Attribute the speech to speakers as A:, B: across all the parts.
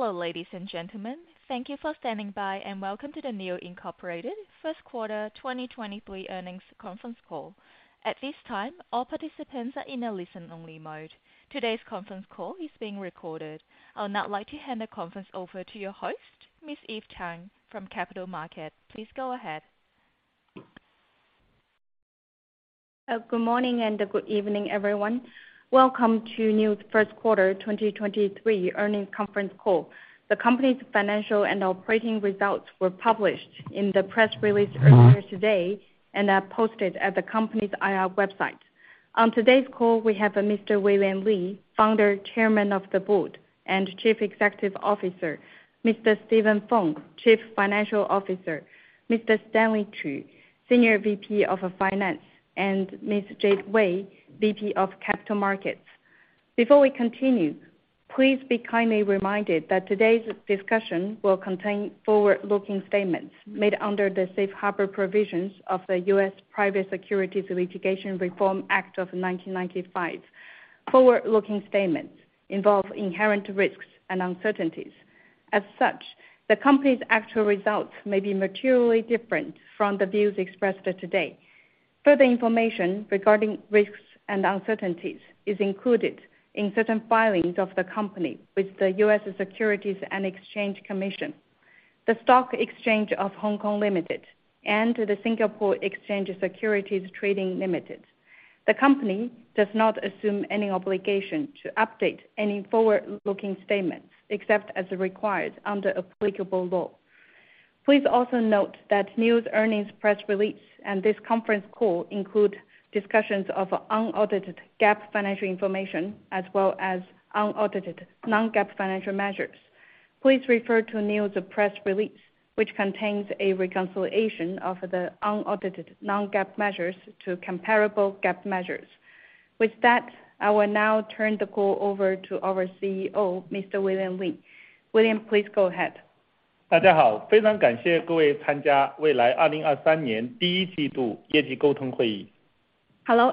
A: Hello, ladies and gentlemen. Thank you for standing by, and welcome to the NIO Incorporated Q1 2023 Earnings Conference Call. At this time, all participants are in a listen-only mode. Today's conference call is being recorded. I would now like to hand the conference over to your host, Miss Eve Tang from Capital Market. Please go ahead.
B: Good morning and good evening, everyone. Welcome to NIO's Q1 2023 Earnings Conference Call. The company's financial and operating results were published in the press release earlier today, and are posted at the company's IR website. On today's call, we have Mr. William Li, Founder, Chairman of the Board, and Chief Executive Officer, Mr. Steven Feng, Chief Financial Officer, Mr. Stanley Qu, Senior VP of Finance, and Miss Jade Wei, VP of Capital Markets. Before we continue, please be kindly reminded that today's discussion will contain forward-looking statements made under the Safe Harbor Provisions of the U.S. Private Securities Litigation Reform Act of 1995. Forward-looking statements involve inherent risks and uncertainties. As such, the company's actual results may be materially different from the views expressed today. Further information regarding risks and uncertainties is included in certain filings of the company with the US Securities and Exchange Commission, the Stock Exchange of Hong Kong Limited, and the Singapore Exchange Securities Trading Limited. The company does not assume any obligation to update any forward-looking statements, except as required under applicable law. Please also note that NIO's earnings press release and this conference call include discussions of unaudited GAAP financial information, as well as unaudited non-GAAP financial measures. Please refer to NIO's press release, which contains a reconciliation of the unaudited non-GAAP measures to comparable GAAP measures. With that, I will now turn the call over to our CEO, Mr. William Li. William, please go ahead.
C: Hello,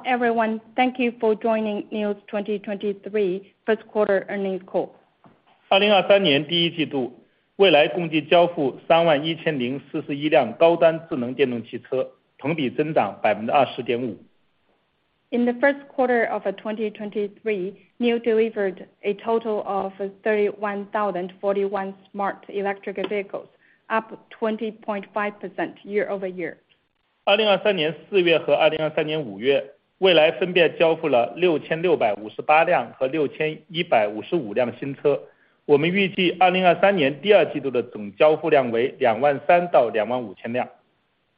C: everyone. Thank you for joining NIO's 2023 Q1 earnings call.
B: Hello, everyone. Thank you for joining NIO's 2023 Q1 earnings call. In the Q1 of 2023, NIO delivered a total of 31,041 smart electric vehicles, up 20.5% year-over-year.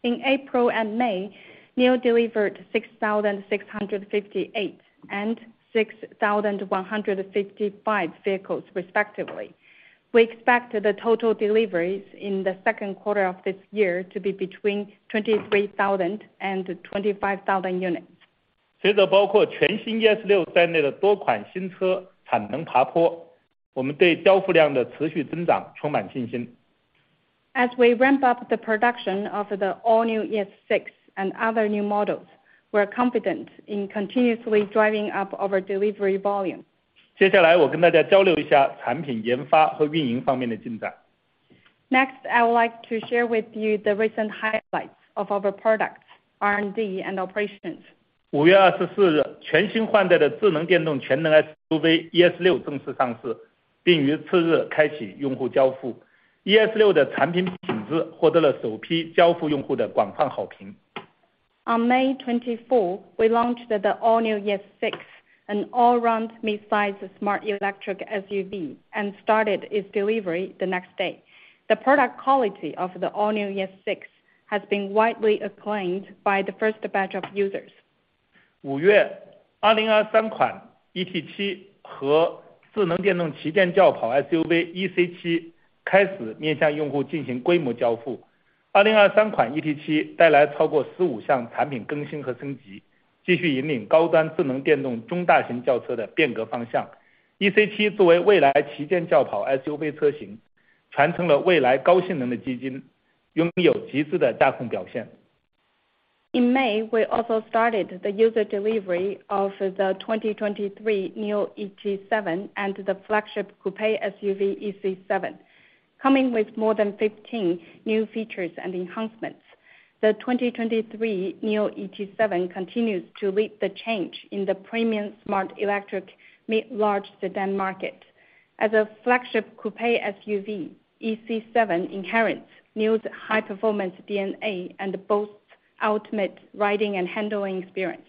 B: In April and May, NIO delivered 6,658 and 6,155 vehicles respectively. We expect the total deliveries in the Q2 of this year to be between 23,000 and 25,000 units. As we ramp up the production of the all-new ES6 and other new models, we're confident in continuously driving up our delivery volume. I would like to share with you the recent highlights of our products, R&D, and operations. On May 24th, we launched the all-new ES6, an all-round mid-size smart electric SUV, and started its delivery the next day. The product quality of the all-new ES6 has been widely acclaimed by the first batch of users. In May, we also started the user delivery of the 2023 NIO ET7 and the flagship coupe SUV, EC7. Coming with more than 15 new features and enhancements, the 2023 NIO ET7 continues to lead the change in the premium smart electric mid-large sedan market. As a flagship coupe SUV, EC7 inherits NIO's high-performance DNA and boasts ultimate riding and handling experience.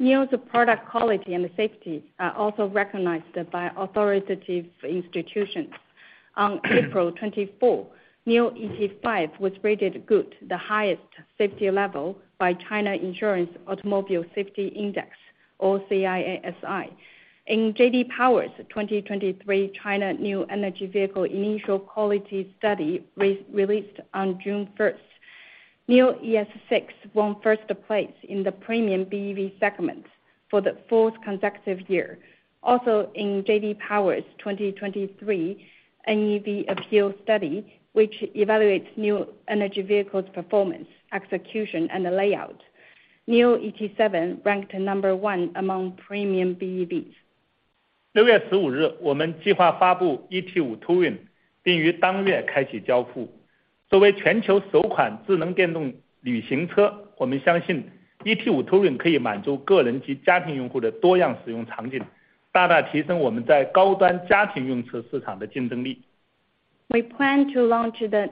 B: NIO's product quality and safety are also recognized by authoritative institutions. On April 24, NIO ET5 was rated good, the highest safety level by China Insurance Automotive Safety Index, or CIASI. In J.D. Power's 2023 China new energy vehicle initial quality study re-released on June 1st, NIO ES6 won first place in the premium BEV segment for the fourth consecutive year. In J.D. Power's 2023 NEV appeal study, which evaluates new energy vehicle's performance, execution, and the layout, NIO ET7 ranked number one among premium BEVs. We plan to launch the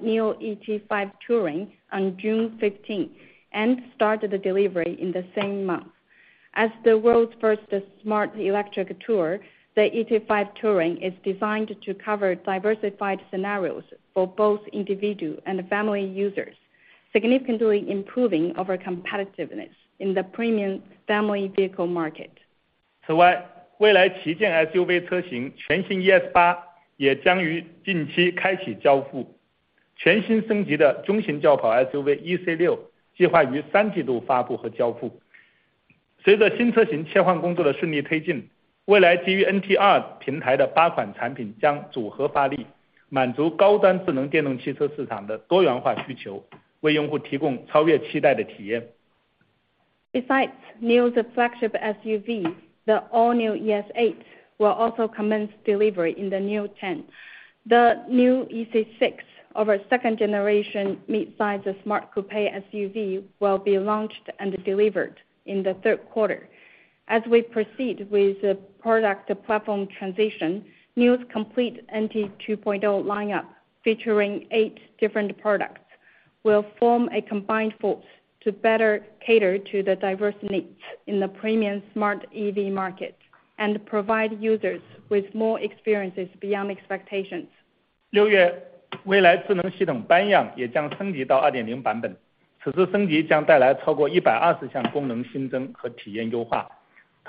B: NIO ET5 Touring on June 15th, and start the delivery in the same month. As the world's first smart electric tour, the ET5 Touring is designed to cover diversified scenarios for both individual and family users, significantly improving our competitiveness in the premium family vehicle market. NIO's flagship SUV, the all-new ES8, will also commence delivery in the NIO 10. The new EC6, our second generation mid-size smart coupe SUV, will be launched and delivered in the Q3. As we proceed with the product platform transition, NIO's complete NT 2.0 lineup, featuring eight different products, will form a combined force to better cater to the diverse needs in the premium smart EV market and provide users with more experiences beyond expectations.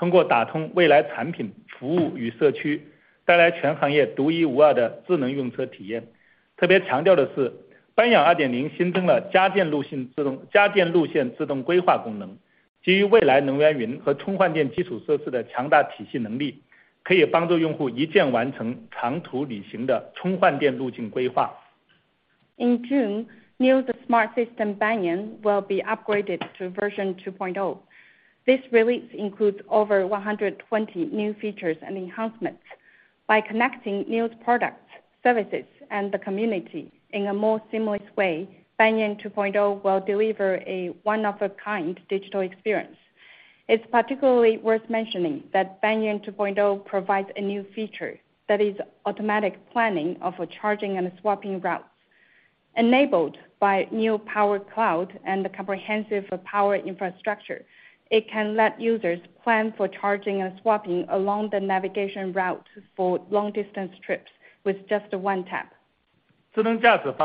B: In June, NIO's smart system, Banyan, will be upgraded to version 2.0. This release includes over 120 new features and enhancements. By connecting NIO's products, services, and the community in a more seamless way, Banyan 2.0 will deliver a one-of-a-kind digital experience. It's particularly worth mentioning that Banyan 2.0 provides a new feature that is automatic planning of charging and swapping routes. Enabled by NIO Power Cloud and the comprehensive power infrastructure, it can let users plan for charging and swapping along the navigation route for long-distance trips with just one tap. In terms of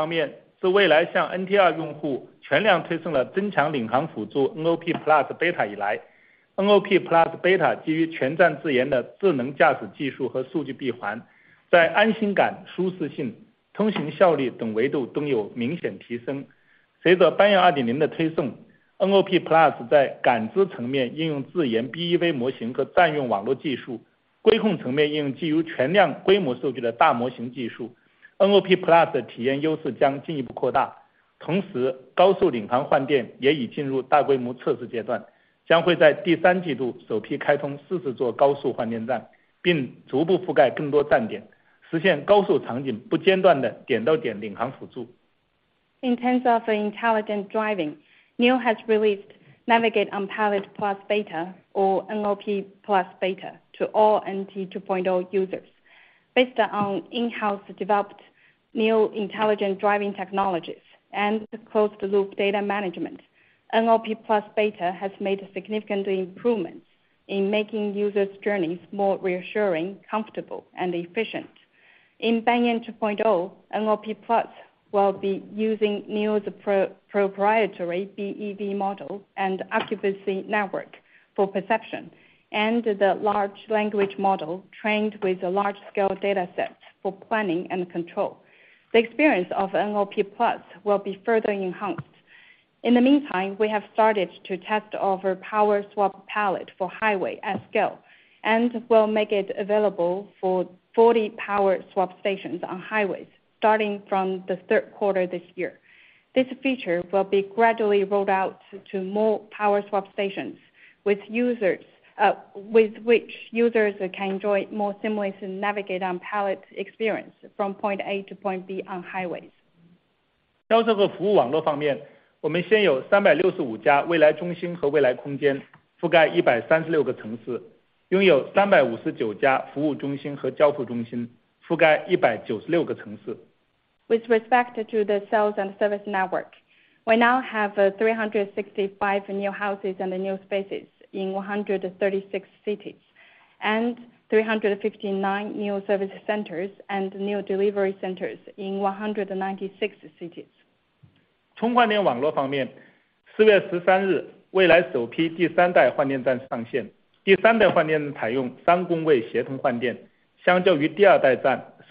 B: intelligent driving, NIO has released Navigate on Pilot Plus Beta, or NOP Plus Beta, to all NT 2.0 users. Based on in-house developed NIO intelligent driving technologies and the closed loop data management, NOP Plus Beta has made significant improvements in making users' journeys more reassuring, comfortable, and efficient. In Banyan 2.0, NOP Plus will be using NIO's pro-proprietary BEV model and occupancy network for perception, and the large language model trained with a large scale dataset for planning and control. The experience of NOP Plus will be further enhanced. In the meantime, we have started to test our power swap palette for highway at scale, and we'll make it available for 40 Power Swap Stations on highways, starting from the Q3 this year. This feature will be gradually rolled out to more Power Swap Stations with users, with which users can enjoy more seamless Navigate on Pilot experience from point A to point B on highways. With respect to the sales and service network, we now have 365 NIO Houses and NIO Spaces in 136 cities, and 359 NIO service centers and NIO Delivery Centers in 196 cities.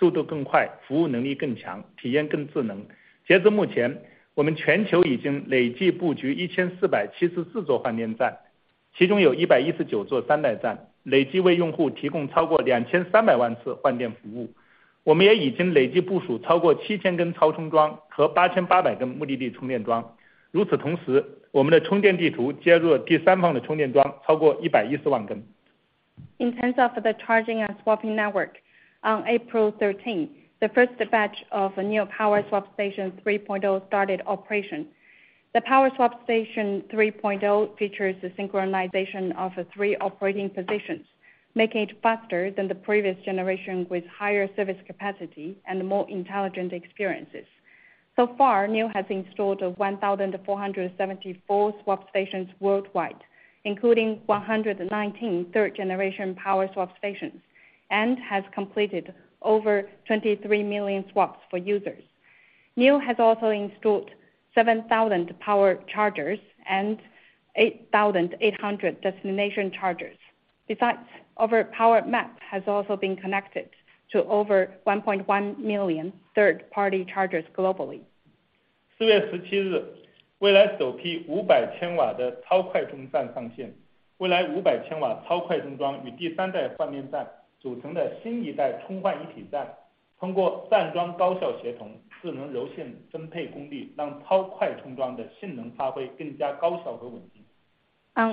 B: In terms of the charging and swapping network, on April 13th, the first batch of NIO Power Swap Station 3.0 started operation. The Power Swap Station 3.0 features the synchronization of three operating positions, making it faster than the previous generation, with higher service capacity and more intelligent experiences. NIO has installed 1,474 swap stations worldwide, including 119 third-generation Power Swap Stations, and has completed over 23 million swaps for users. NIO has also installed 7,000 power chargers and 8,800 destination chargers. Besides, our power map has also been connected to over 1.1 million third-party chargers globally. On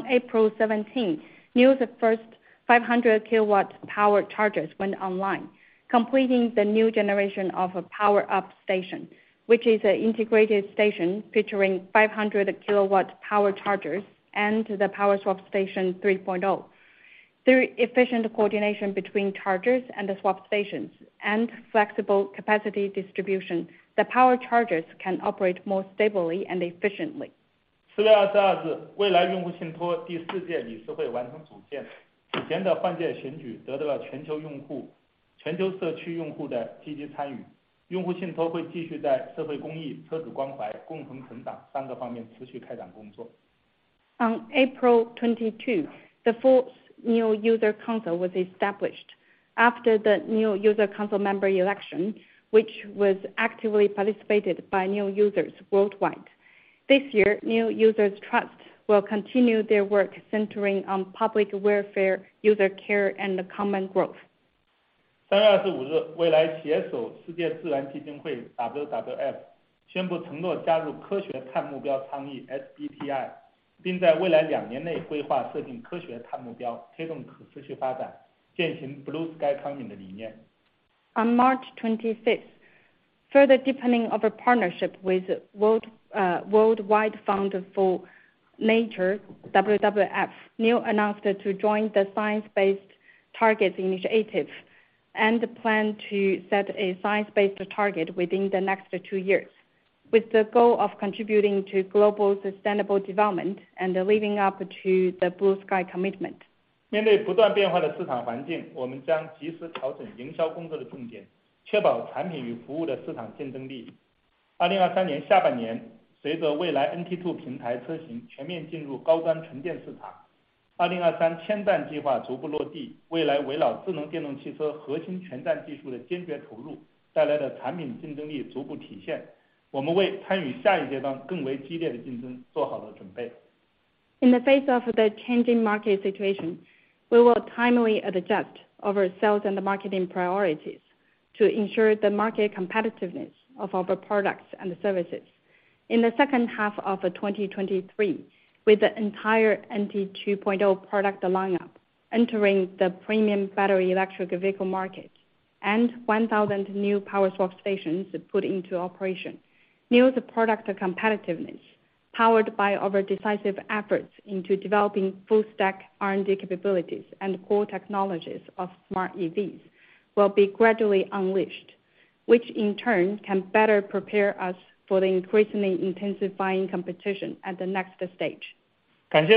B: April 17th, NIO's first 500 kilowatt power chargers went online, completing the new generation of a power-up station, which is an integrated station featuring 500 kW power chargers and the Power Swap Station 3.0. Through efficient coordination between chargers and the swap stations, and flexible capacity distribution, the power chargers can operate more stably and efficiently. On April 22, the fourth NIO User Council was established after the NIO User Council member election, which was actively participated by NIO users worldwide. This year, NIO Users Trust will continue their work centering on public welfare, user care, and the common growth. On March 25th, further deepening of a partnership with Worldwide Fund for Nature, WWF, NIO announced to join the Science Based Targets initiative and plan to set a science-based target within the next two years, with the goal of contributing to global sustainable development and living up to the Blue Sky commitment. In the face of the changing market situation, we will timely adjust our sales and marketing priorities to ensure the market competitiveness of our products and services. In the second half of 2023, with the entire NT 2.0 product lineup entering the premium battery electric vehicle market and 1,000 new Power Swap Stations put into operation, NIO's product competitiveness, powered by our decisive efforts into developing full stack R&D capabilities and core technologies of smart EVs, will be gradually unleashed, which in turn can better prepare us for the increasingly intensifying competition at the next stage. As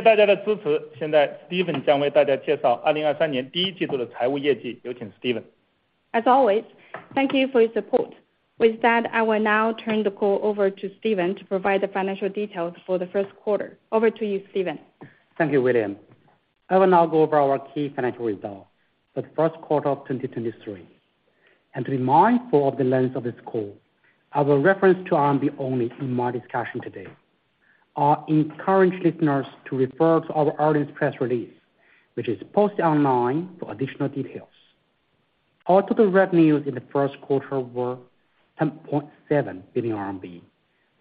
B: always, thank you for your support. With that, I will now turn the call over to Steven to provide the financial details for the Q1. Over to you, Steven.
D: Thank you, William. I will now go over our key financial results for the Q1 of 2023. To be mindful of the length of this call, I will reference to RMB only in my discussion today. I encourage listeners to refer to our earlier press release, which is posted online for additional details. Our total revenues in the Q1 were 10.7 billion RMB,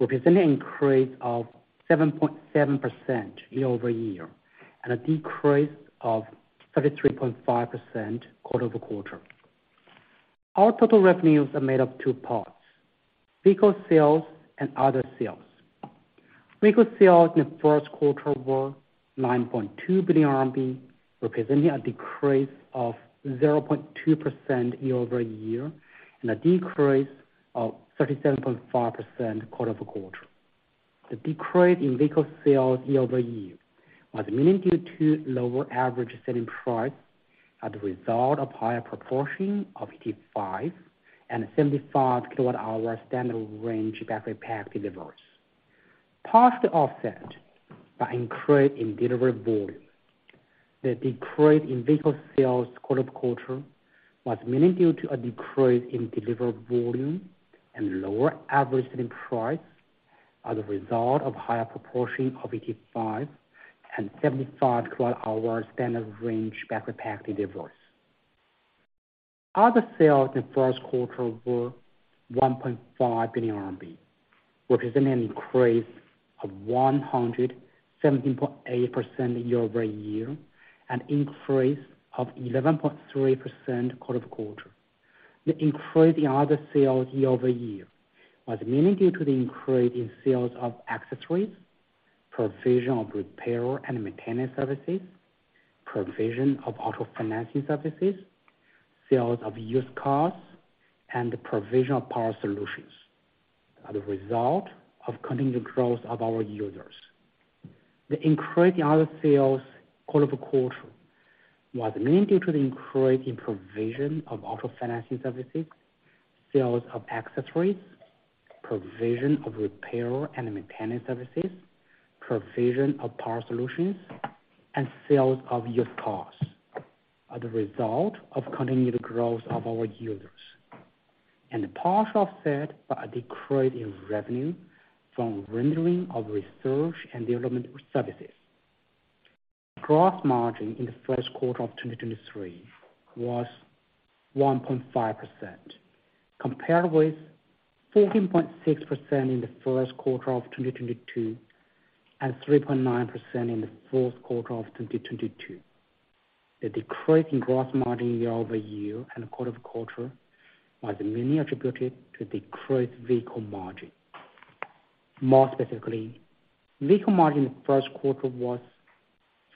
D: representing an increase of 7.7% year-over-year, and a decrease of 33.5% quarter-over-quarter. Our total revenues are made up two parts: vehicle sales and other sales. Vehicle sales in the Q1 were 9.2 billion RMB, representing a decrease of 0.2% year-over-year and a decrease of 37.5% quarter-over-quarter. The decrease in vehicle sales year-over-year was mainly due to lower average selling price as a result of higher proportion of 85 and 75 kilowatt-hour standard range battery pack deliveries, partially offset by increase in delivery volume. The decrease in vehicle sales quarter-over-quarter was mainly due to a decrease in delivery volume and lower average selling price as a result of higher proportion of 85 and 75 kilowatt-hour standard range battery pack deliveries. Other sales in the Q1 were 1.5 billion RMB, which is an increase of 117.8% year-over-year, an increase of 11.3% quarter-over-quarter. The increase in other sales year-over-year was mainly due to the increase in sales of accessories, provision of repair and maintenance services, provision of auto financing services, sales of used cars, and the provision of power solutions as a result of continued growth of our users. The increase in other sales quarter-over-quarter was mainly due to the increase in provision of auto financing services, sales of accessories, provision of repair and maintenance services, provision of power solutions, and sales of used cars as a result of continued growth of our users, and partially offset by a decrease in revenue from rendering of research and development services. Gross margin in the Q1 of 2023 was 1.5%, compared with 14.6% in the Q1 of 2022, and 3.9% in the Q4 of 2022. The decrease in gross margin year-over-year and quarter-over-quarter was mainly attributed to decreased vehicle margin. More specifically, vehicle margin in the Q1 was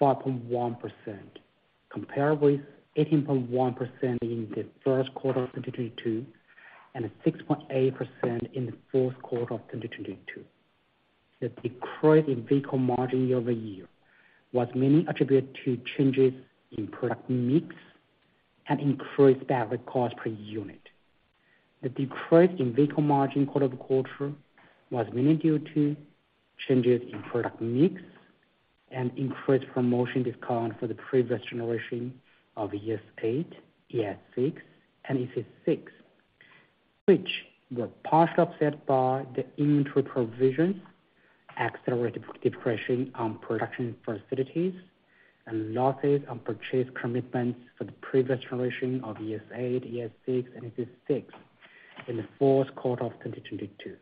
D: 5.1%, compared with 18.1% in the Q1 of 2022, and 6.8% in theQ4 of 2022. The decrease in vehicle margin year-over-year was mainly attributed to changes in product mix and increased battery cost per unit. The decrease in vehicle margin quarter-over-quarter was mainly due to changes in product mix and increased promotion discount for the previous generation of ES8, ES6, and EC6, which were partially offset by the inventory provision, accelerated depreciation on production facilities, and losses on purchase commitments for the previous generation of ES8, ES6, and EC6 in the Q4 of 2022.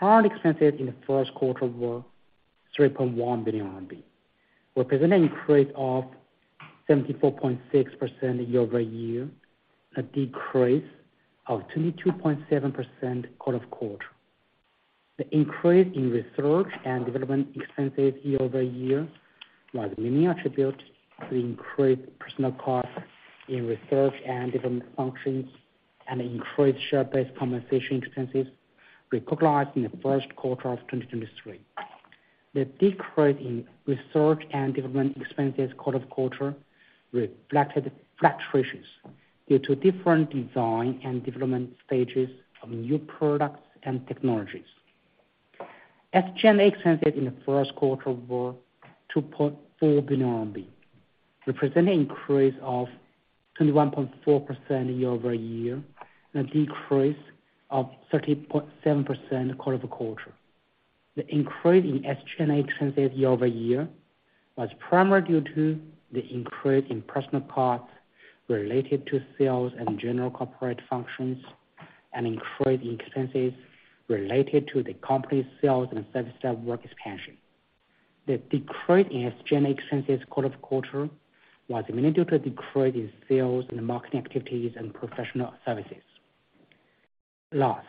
D: R&D expenses in the Q1 were 3.1 billion RMB, representing an increase of 74.6% year-over-year, a decrease of 22.7% quarter-over-quarter. The increase in research and development expenses year-over-year was mainly attributed to the increased personal costs in research and development functions and increased share-based compensation expenses recognized in the Q1 of 2023. The decrease in research and development expenses quarter-over-quarter reflected fluctuations due to different design and development stages of new products and technologies. SG&A expenses in the Q1 were 2.4 billion RMB, representing an increase of 21.4% year-over-year, a decrease of 30.7% quarter-over-quarter. The increase in SG&A expenses year-over-year was primarily due to the increase in personal costs related to sales and general corporate functions, and increased expenses related to the company's sales and service network expansion. The decrease in SG&A expenses quarter-over-quarter was mainly due to a decrease in sales and marketing activities and professional services. Loss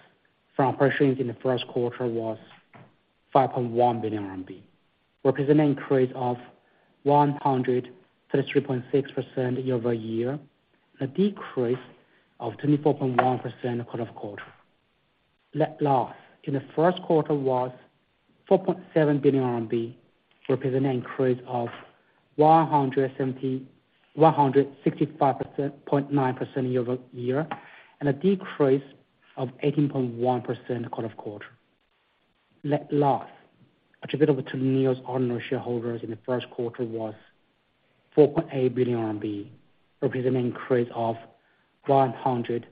D: from operations in the Q1 was 5.1 billion RMB, representing an increase of 133.6% year-over-year, a decrease of 24.1% quarter-over-quarter. Net loss in the Q1 was 4.7 billion RMB, representing an increase of 165.9% year-over-year, and a decrease of 18.1% quarter-over-quarter. Net loss attributable to NIO's owner shareholders in the Q1 was RMB 4.8 billion, representing an increase of 163.2%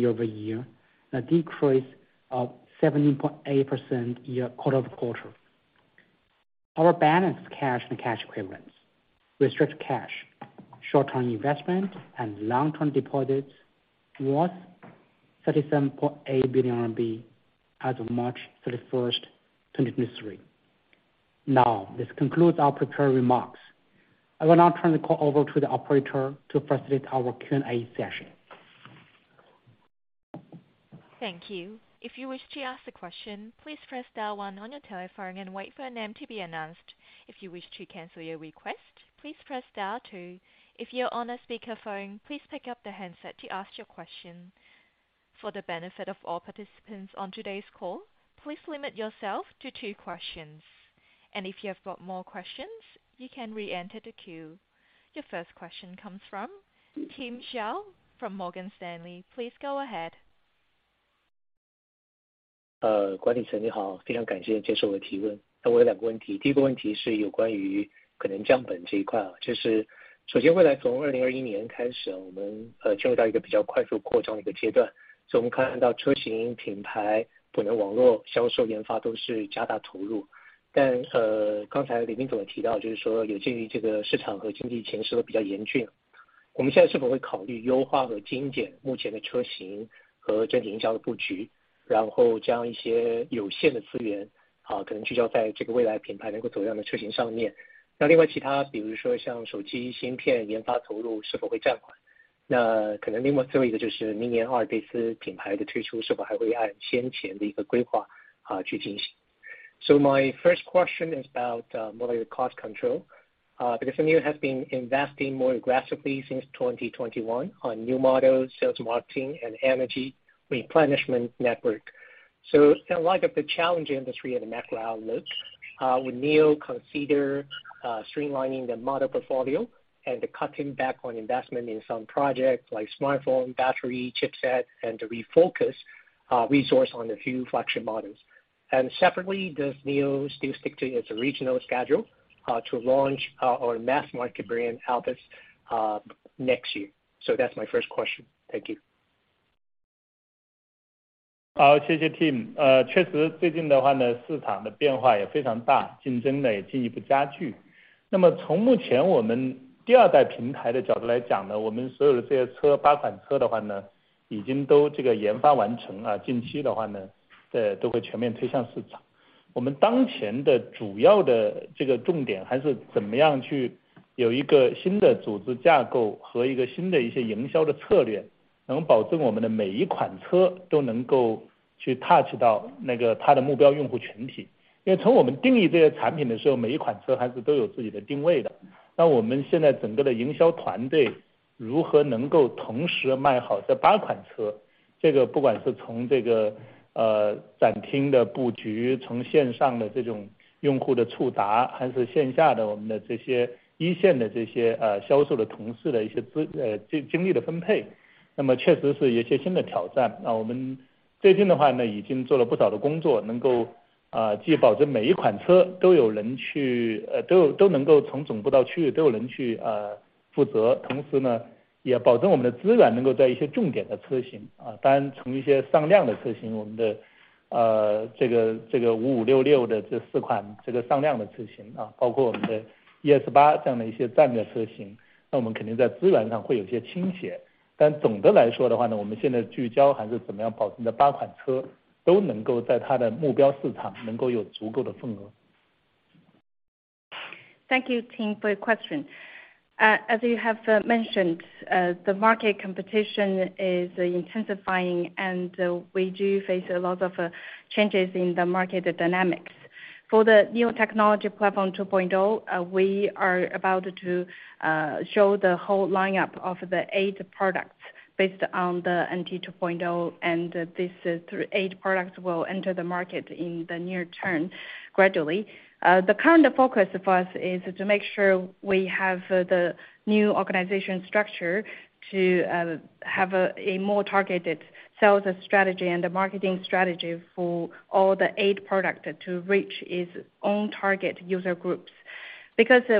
D: year-over-year, and a decrease of 17.8% quarter-over-quarter. Our balanced cash and cash equivalents, restricted cash, short-term investment, and long-term deposits was 37.8 billion RMB as of March 31st, 2023.
B: This concludes our prepared remarks. I will now turn the call over to the operator to facilitate our Q&A session.
A: Thank you. If you wish to ask a question, please press star one on your telephone and wait for your name to be announced. If you wish to cancel your request, please press star two. If you are on a speakerphone, please pick up the handset to ask your question. For the benefit of all participants on today's call, please limit yourself to two questions. If you have got more questions, you can reenter the queue. Your first question comes from Tim Hsiao from Morgan Stanley. Please go ahead.
E: 管理层，你好，非常感谢接受我的提问。我有2个问题，第1个问题是有关可能降本这一块，就是首先回来，从 2021年开始，我们进入到一个比较快速扩张的1个阶段，所以我们看到车型、品牌、可能网络、销售、研发都是加大投入。William Li也提到，就是说有鉴于这个市场和经济形势都比较严峻，我们现在是否会考虑优化和精简目前的车型和整体营销的布局，然后将一些有限的资源，可能聚焦在这个未来品牌能够走量的车型上面。另外其他比如说像手机芯片研发投入是否会暂缓？可能另外最后一个就是，明年 Alps 品牌的推出，是否还会按先前的1个规划，去进行。My first question is about more cost control, because NIO has been investing more aggressively since 2021 on new models, sales, marketing and energy replenishment network. In light of the challenging industry and the macro outlook, would NIO consider streamlining the model portfolio and cutting back on investment in some projects like smartphone, battery, chipset, and to refocus resource on a few flagship models? Separately, does NIO still stick to its original schedule to launch on mass market brand Alps next year? That's my first question. Thank you.
C: 好， 谢谢 Tim。呃， 确 实， 最近的话 呢， 市场的变化也非常 大， 竞争呢也进一步加剧。那么从目前我们第二代平台的角度来讲 呢， 我们所有的这些 车， 八款车的话 呢， 已经都这个研发完 成， 啊， 近期的话 呢， 呃， 都会全面推向市场。我们当前的主要的这个重 点， 还是怎么样去有一个新的组织架构和一个新的一些营销的策 略， 能保证我们的每一款车都能够去 touch到 那个它的目标用户群体。因为从我们定义这些产品的时 候， 每一款车还是都有自己的定位的，那我们现在整个的营销团队如何能够同时卖好这八款 车， 这个不管是从这 个， 呃， 展厅的布 局， 从线上的这种用户的触 达， 还是线下的我们的这些一线的这 些， 呃， 销售的同事的一些 资... 精力的分 配， 确实是一些新的挑战。我们最近的话 呢， 已经做了不少的工 作， 能够既保证每一款车都有人去负 责， 都能够从总部到区域都有人去负责。同时 呢， 也保证我们的资源能够在一些重点的车型。当然从一些上量的车 型， 我们的这个 5, 6的这4款上量的车 型， 包括我们的 ES8 这样的一些战略车 型， 我们肯定在资源上会有些倾斜。总的来说的话 呢， 我们现在聚焦还是怎么样保证这8款车都能够在它的目标市场能够有足够的份额。
B: Thank you, Tim, for your question. As you have mentioned, the market competition is intensifying, and we do face a lot of changes in the market dynamics. For the new technology platform 2.0, we are about to show the whole lineup of the eight products based on the NT 2.0, and these eight products will enter the market in the near term gradually. The current focus for us is to make sure we have the new organization structure to have a more targeted sales strategy and a marketing strategy for all the eight products to reach its own target user groups.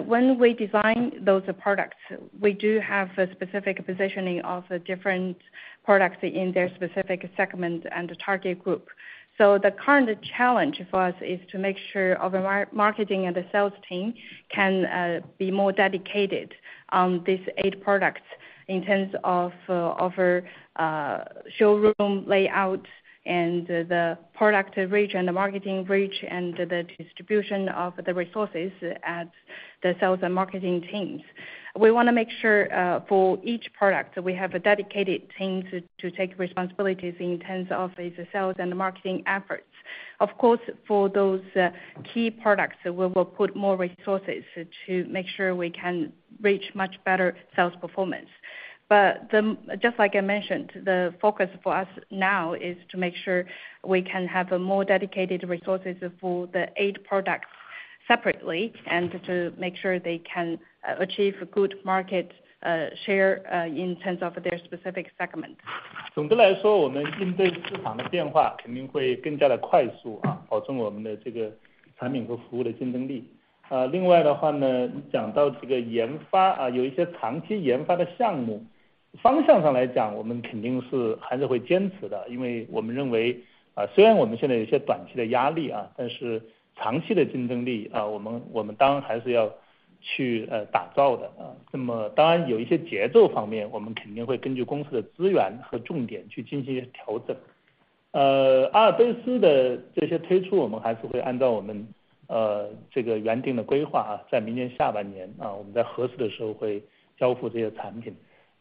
B: When we design those products, we do have a specific positioning of the different products in their specific segment and target group. The current challenge for us is to make sure our marketing and the sales team can be more dedicated on these eight products in terms of offer, showroom layout and the product reach, and the marketing reach, and the distribution of the resources at the sales and marketing teams. We want to make sure for each product, we have a dedicated team to take responsibilities in terms of the sales and marketing efforts. For those key products, we will put more resources to make sure we can reach much better sales performance. just like I mentioned, the focus for us now is to make sure we can have a more dedicated resources for the eight products separately, and to make sure they can achieve a good market, share, in terms of their specific segment.
C: 总的来 说， 我们应对市场的变化肯定会更加的快 速， 保证我们的这个产品和服务的竞争力。另外的话 呢， 你讲到这个研 发， 有一些长期研发的项 目， 方向上来 讲， 我们肯定是还是会坚持 的， 因为我们认 为， 虽然我们现在有一些短期的压 力， 但是长期的竞争 力， 我 们， 我们当然还是要去打造的。那么当然有一些节奏方 面， 我们肯定会根据公司的资源和重点去进行一些调 整。... Alps 的这些推 出， 我们还是会按照我 们， 这个原定的规 划， 在明年下半 年， 我们在合适的时候会交付这些产品。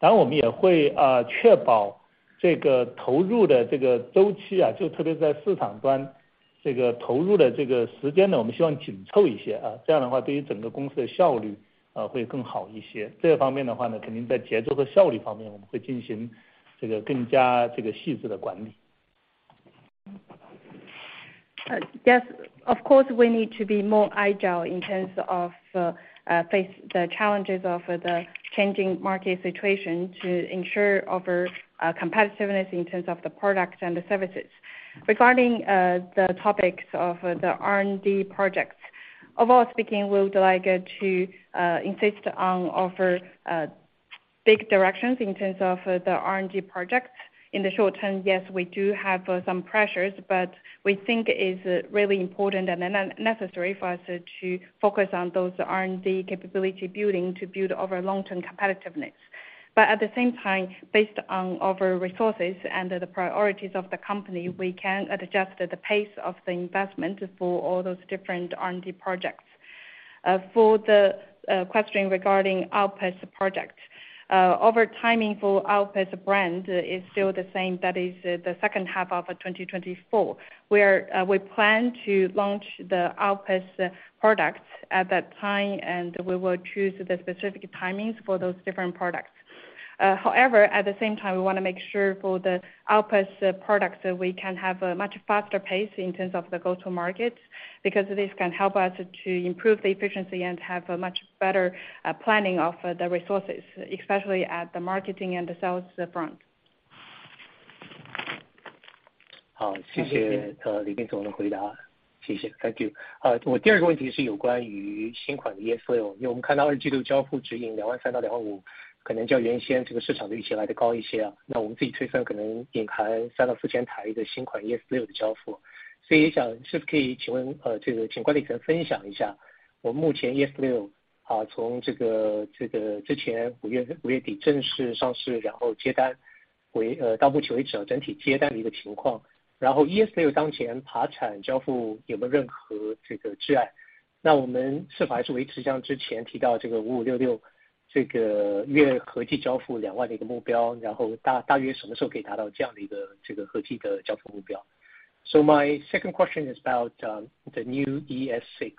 C: 当然我们也 会， 确保这个投入的这个周 期， 就特别在市场 端， 这个投入的这个时间 呢， 我们希望紧凑一 些， 这样的话对于整个公司的效 率， 会更好一些。这方面的话 呢， 肯定在节奏和效率方 面， 我们会进行这个更加这个细致的管理。
B: Yes, of course we need to be more agile in terms of face the challenges of the changing market situation to ensure of our competitiveness in terms of the products and services. Regarding the topics of the R&D projects, overall speaking, we would like to insist on offer a big directions in terms of the R&D projects. In the short term, yes, we do have some pressures, but we think it's really important and necessary for us to focus on those R&D capability building to build our long-term competitiveness. At the same time, based on our resources and the priorities of the company, we can adjust the pace of the investment for all those different R&D projects. For the question regarding Alps project, over timing for Alps brand is still the same, that is the second half of 2024, where we plan to launch the Alps products at that time, we will choose the specific timings for those different products. However, at the same time, we want to make sure for the Alps products, we can have a much faster pace in terms of the go to market, because this can help us to improve the efficiency and have a much better planning of the resources, especially at the marketing and sales front.
E: 好，谢 谢，李 斌总的回 答，谢 谢。Thank you. 好，我 第二个问题是有关于新款的 ES6，因 为我们看到二季度交付指引 23,000-25,000，可 能较原先这个市场的预期来得高一 些，那 我们自己推 算，可 能隐含 3,000-4,000 台的新款 ES6 的交 付，所 以想是不是可以请 问，这 个请管理层分享一 下，我 们目前 ES6，从 这 个，这 个之前五 月，五 月底正式上 市，然 后接 单，为，到 目前为止整体接单的一个情 况，然 后 ES6 当前爬产交付有没有任何这个障 碍，那 我们是否还是维持像之前提到这个 5566，这 个月合计交付 20,000 的一个目 标，然 后大大约什么时候可以达到这样的一个这个合计的交付目标。My second question is about the new ES6.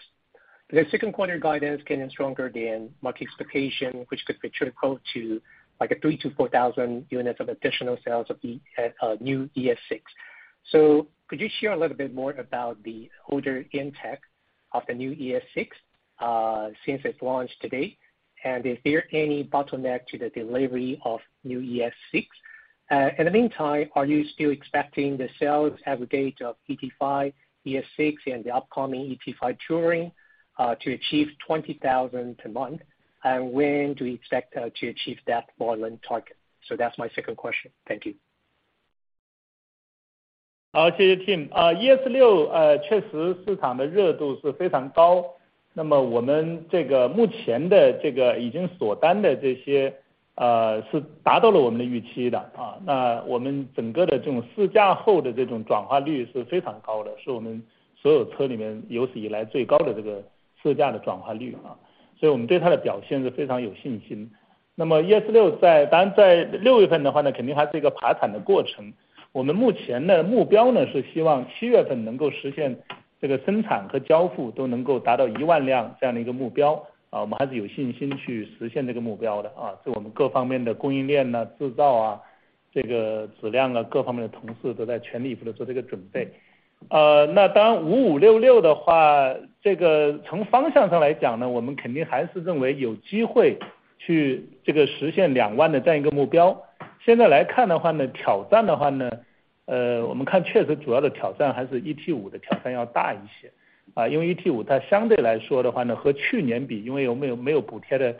E: The Q2 guidance getting stronger than market expectation, which could trickle through to like a 3,000-4,000 units of additional sales of the new ES6. Could you share a little bit more about the order in tech of the new ES6 since it's launched to date? And is there any bottleneck to the delivery of new ES6? In the meantime, are you still expecting the sales aggregate of ET5, ES6 and the upcoming ET5 Touring to achieve 20,000 per month, and when do you expect to achieve that volume target? My second question. Thank you.
C: 好， 谢谢 Tim。呃 ，ES6， 呃， 确实市场的热度是非常 高， 那么我们这个目前的这个已经锁单的这 些， 呃， 是达到了我们的预期的 啊， 那我们整个的这种试驾后的这种转化率是非常高 的， 是我们所有车里面有史以来最高的这个试驾的转化率 啊， 所以我们对它的表现是非常有信心。那么 ES6 在当然在六月份的话 呢， 肯定还是一个爬产的过程 ，我 们目前的目标 呢， 是希望七月份能够实现这个生产和交付都能够达到一万辆这样的一个目 标， 啊我们还是有信心去实现这个目标 的， 啊 ，就 我们各方面的供应链 呢， 制造 啊， 这个质量 啊， 各方面的同事都在全力以赴地做这个准备。呃， 那当然五五六六的 话， 这个从方向上来讲 呢， 我们肯定还是认为有机会去这个实现两万的这样一个目标。现在来看的话 呢， 挑战的话呢， 呃， 我们看确实主要的挑战还是 ET5 的挑战要大一 些， 啊， 因为 ET5 它相对来说的话 呢， 和去年 比， 因为有没 有， 没有补贴 的，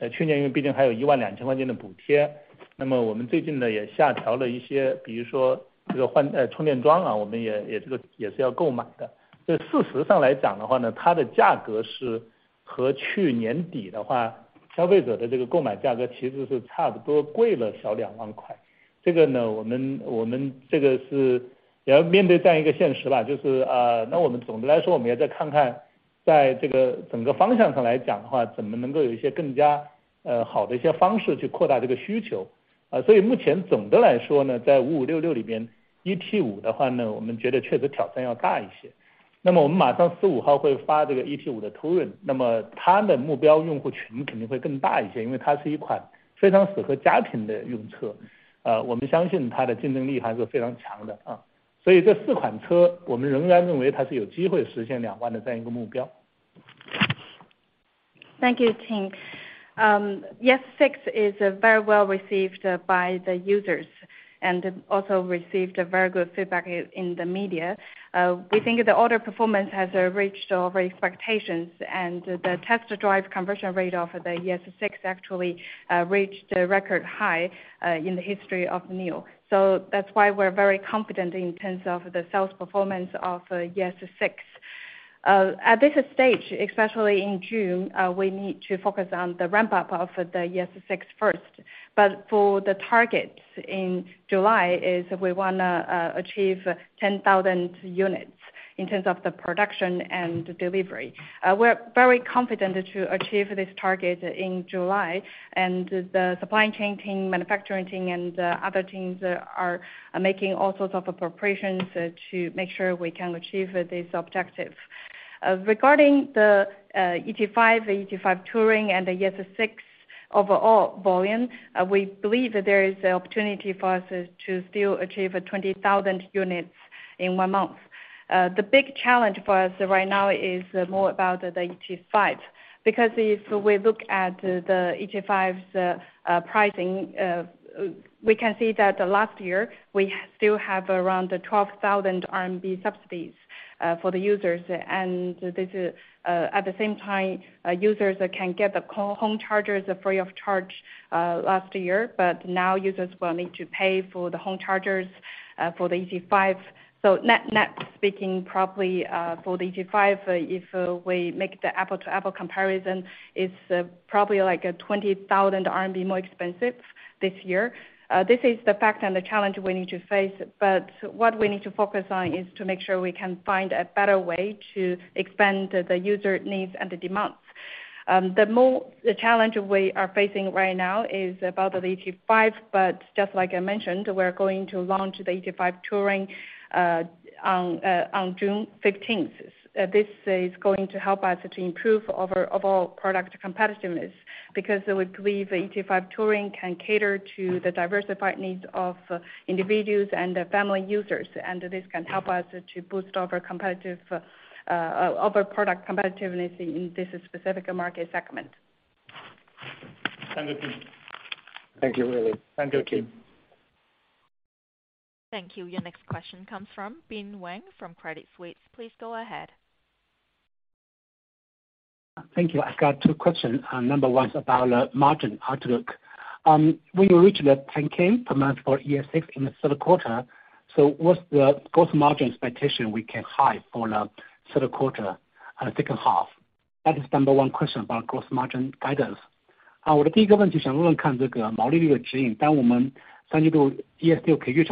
C: 呃， 去年因为毕竟还有一万两千块钱的补 贴， 那么我们最近呢也下调了一 些， 比如说这个 换， 呃， 充电桩 啊， 我们 也， 也这个也是要购买的。所以事实上来讲的话 呢， 它的价格是和去年底的 话， 消费者的这个购买价格其实是差不多贵了小两万块，这个 呢， 我 们， 我们这个是要面对这样一个现实 吧， 就 是， 啊， 那我们总的来 说， 我们也要再看 看， 在这个整个方向上来讲的 话， 怎么能够有一些更 加， 呃好的一些方式去扩大这个需求。呃， 所以目前总的来说 呢， 在五五六六里边 ，ET5 的话 呢， 我们觉得确实挑战要大一 些， 那么我们马上四五号会发这个 ET5 的 Touring， 那么它的目标用户群肯定会更大一 些， 因为它是一款非常适合家庭的用 车， 呃， 我们相信它的竞争力还是非常强的啊。所以这四款车我们仍然认为它是有机会实现两万的这样一个目标。
B: Thank you, Ting. ES6 is very well received by the users and also received very good feedback in the media. We think the order performance has reached our expectations, and the test drive conversion rate of the ES6 actually reached a record high in the history of NIO. That's why we're very confident in terms of the sales performance of ES6.... At this stage, especially in June, we need to focus on the ramp-up of the ES6 first. For the targets in July, is we wanna achieve 10,000 units in terms of the production and delivery. We're very confident to achieve this target in July, and the supply chain team, manufacturing team, and other teams are making all sorts of preparations to make sure we can achieve this objective. Regarding the ET5, the ET5 Touring, and the ES6 overall volume, we believe that there is the opportunity for us to still achieve 20,000 units in one month. The big challenge for us right now is more about the ET5, because if we look at the ET5's pricing, we can see that the last year, we still have around 12,000 RMB subsidies for the users. This is at the same time, users can get the home chargers free of charge last year, but now users will need to pay for the home chargers for the ET5. Net, net speaking, probably for the ET5, if we make the apple-to-apple comparison, it's probably like 20,000 RMB more expensive this year. This is the fact and the challenge we need to face. What we need to focus on is to make sure we can find a better way to expand the user needs and the demands. The challenge we are facing right now is about the ET5. Just like I mentioned, we're going to launch the ET5 Touring on June 15th. This is going to help us to improve our overall product competitiveness. We believe the ET5 Touring can cater to the diversified needs of individuals and the family users. This can help us to boost our competitive our product competitiveness in this specific market segment.
C: Thank you.
E: Thank you, Willie.
C: Thank you.
B: Thank you.
A: Thank you. Your next question comes from Bin Wang from Credit Suisse. Please go ahead.
F: Thank you. I've got twp questions. number one is about the margin outlook. when you reach the 10K per month for ES6 in the third quarter, what's the gross margin expectation we can have for the third and second half? That is number one question about gross margin guidance.
G: Hi, Bin. This is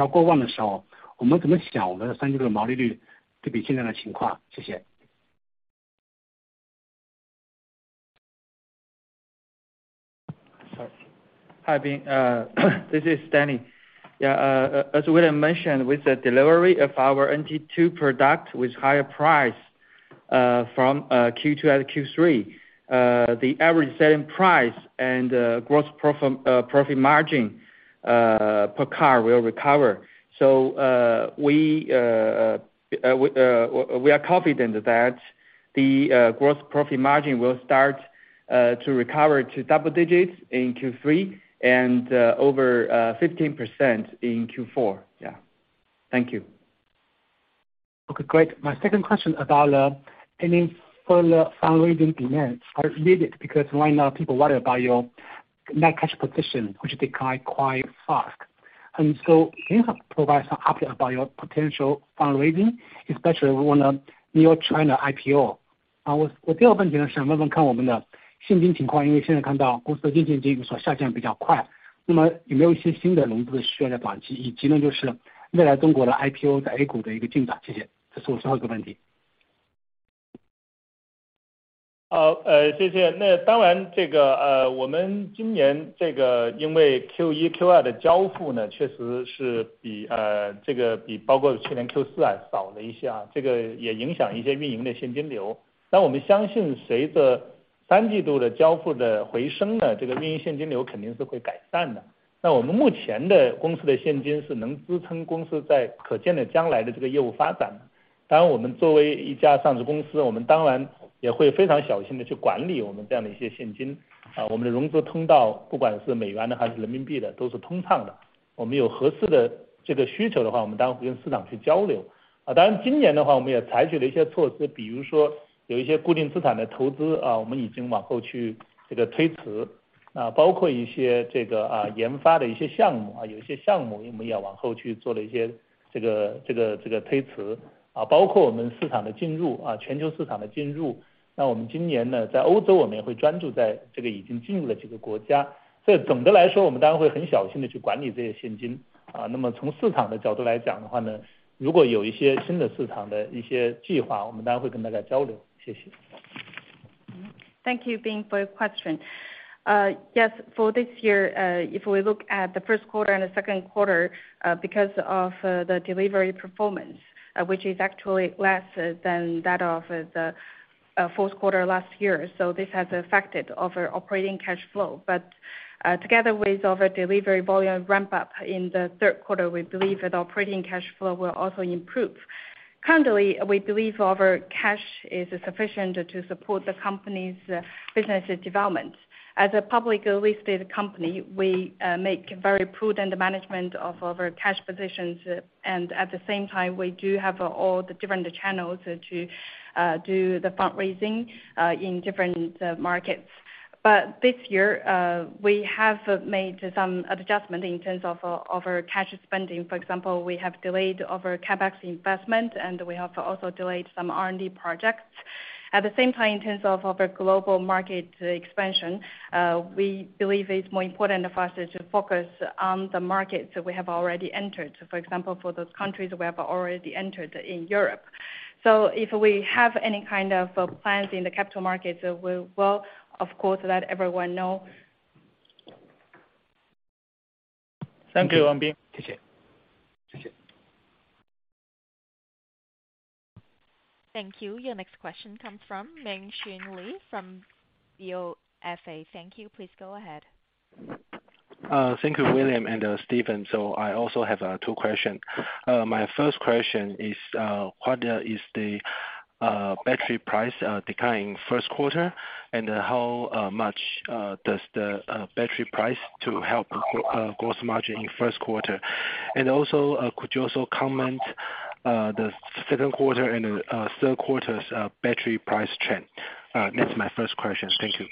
G: Stanley Qu. As William mentioned, with the delivery of our NT 2.0 product with higher price from Q2 and Q3, the average selling price and gross profit margin per car will recover. We are confident that the gross profit margin will start to recover to double digits in Q3 and over 15% in Q4. Thank you.
F: Okay, great. My second question about any further fundraising demands are needed, because right now, people worry about your net cash position, which decline quite fast. Can you provide some update about your potential fundraising, especially on the New York China IPO? Thank you.
C: Now, 当 然, 这 个, 我们今年这个因为 Q1, Q2 的交付 呢, 确实是 比, 这个比包括去年 Q4, 少了一 些, 这个也影响一些运营的现金 流. 我们相信随着三季度的交付的回升 呢, 这个运营现金流肯定是会改善 的. 我们目前的公司的现金是能支撑公司在可见的将来的这个业务发 展. 当然我们作为一家上市公 司, 我们当然也会非常小心地去管理我们这样的一些现 金, 我们的融资通 道, 不管是美元的还是人民币 的, 都是通畅 的. 我们有合适的这个需求的 话, 我们当然会跟市场去交 流. 当然今年的 话, 我们也采取了一些措 施, 比如说有一些固定资产的投 资, 我们已经往后去
B: Thank you, Bin, for your question. Yes, for this year, if we look at the Q1 and the Q2, because of the delivery performance, which is actually less than that of the Q4 last year, this has affected our operating cash flow. Together with our delivery volume ramp-up in the Q3, we believe that operating cash flow will also improve. Currently, we believe our cash is sufficient to support the company's business development. As a publicly listed company, we make very prudent management of our cash positions, and at the same time we do have all the different channels to do the fundraising in different markets. This year, we have made some adjustment in terms of our cash spending. For example, we have delayed our CapEx investment, and we have also delayed some R&D projects. At the same time, in terms of our global market expansion, we believe it's more important for us to focus on the markets that we have already entered. For example, for those countries we have already entered in Europe. If we have any kind of plans in the capital markets, we will of course, let everyone know.
C: Thank you, Wang Bin.
A: Thank you. Your next question comes from Ming-Hsun Lee from Bofa. Thank you. Please go ahead.
H: Thank you, William and Stephen. I also have two questions. My first question is, what is the battery price decline in Q1? How much does the battery price to help gross margin in Q1? Could you also comment the Q2 and Q3 battery price trend? That's my first question. Thank you.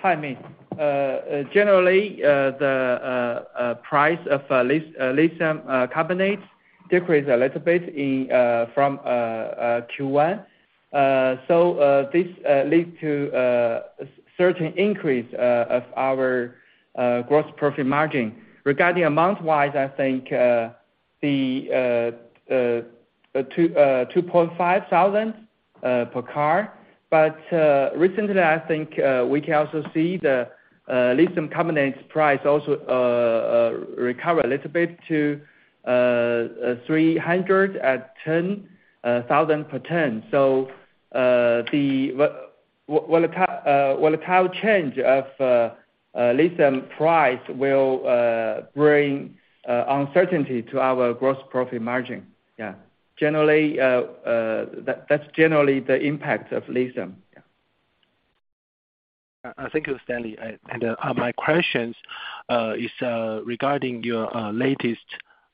G: Hi, Ming. Generally, the price of lithium carbonate decreased a little bit in from Q1. This lead to certain increase of our gross profit margin. Regarding amount-wise, I think, the 2,500 per car. Recently, I think, we can also see the lithium carbonate price also recover a little bit to 310,000 per ton. The volatile change of lithium price will bring uncertainty to our gross profit margin. Yeah. Generally, that's generally the impact of lithium. Yeah.
H: Thank you, Stanley. My questions is regarding your latest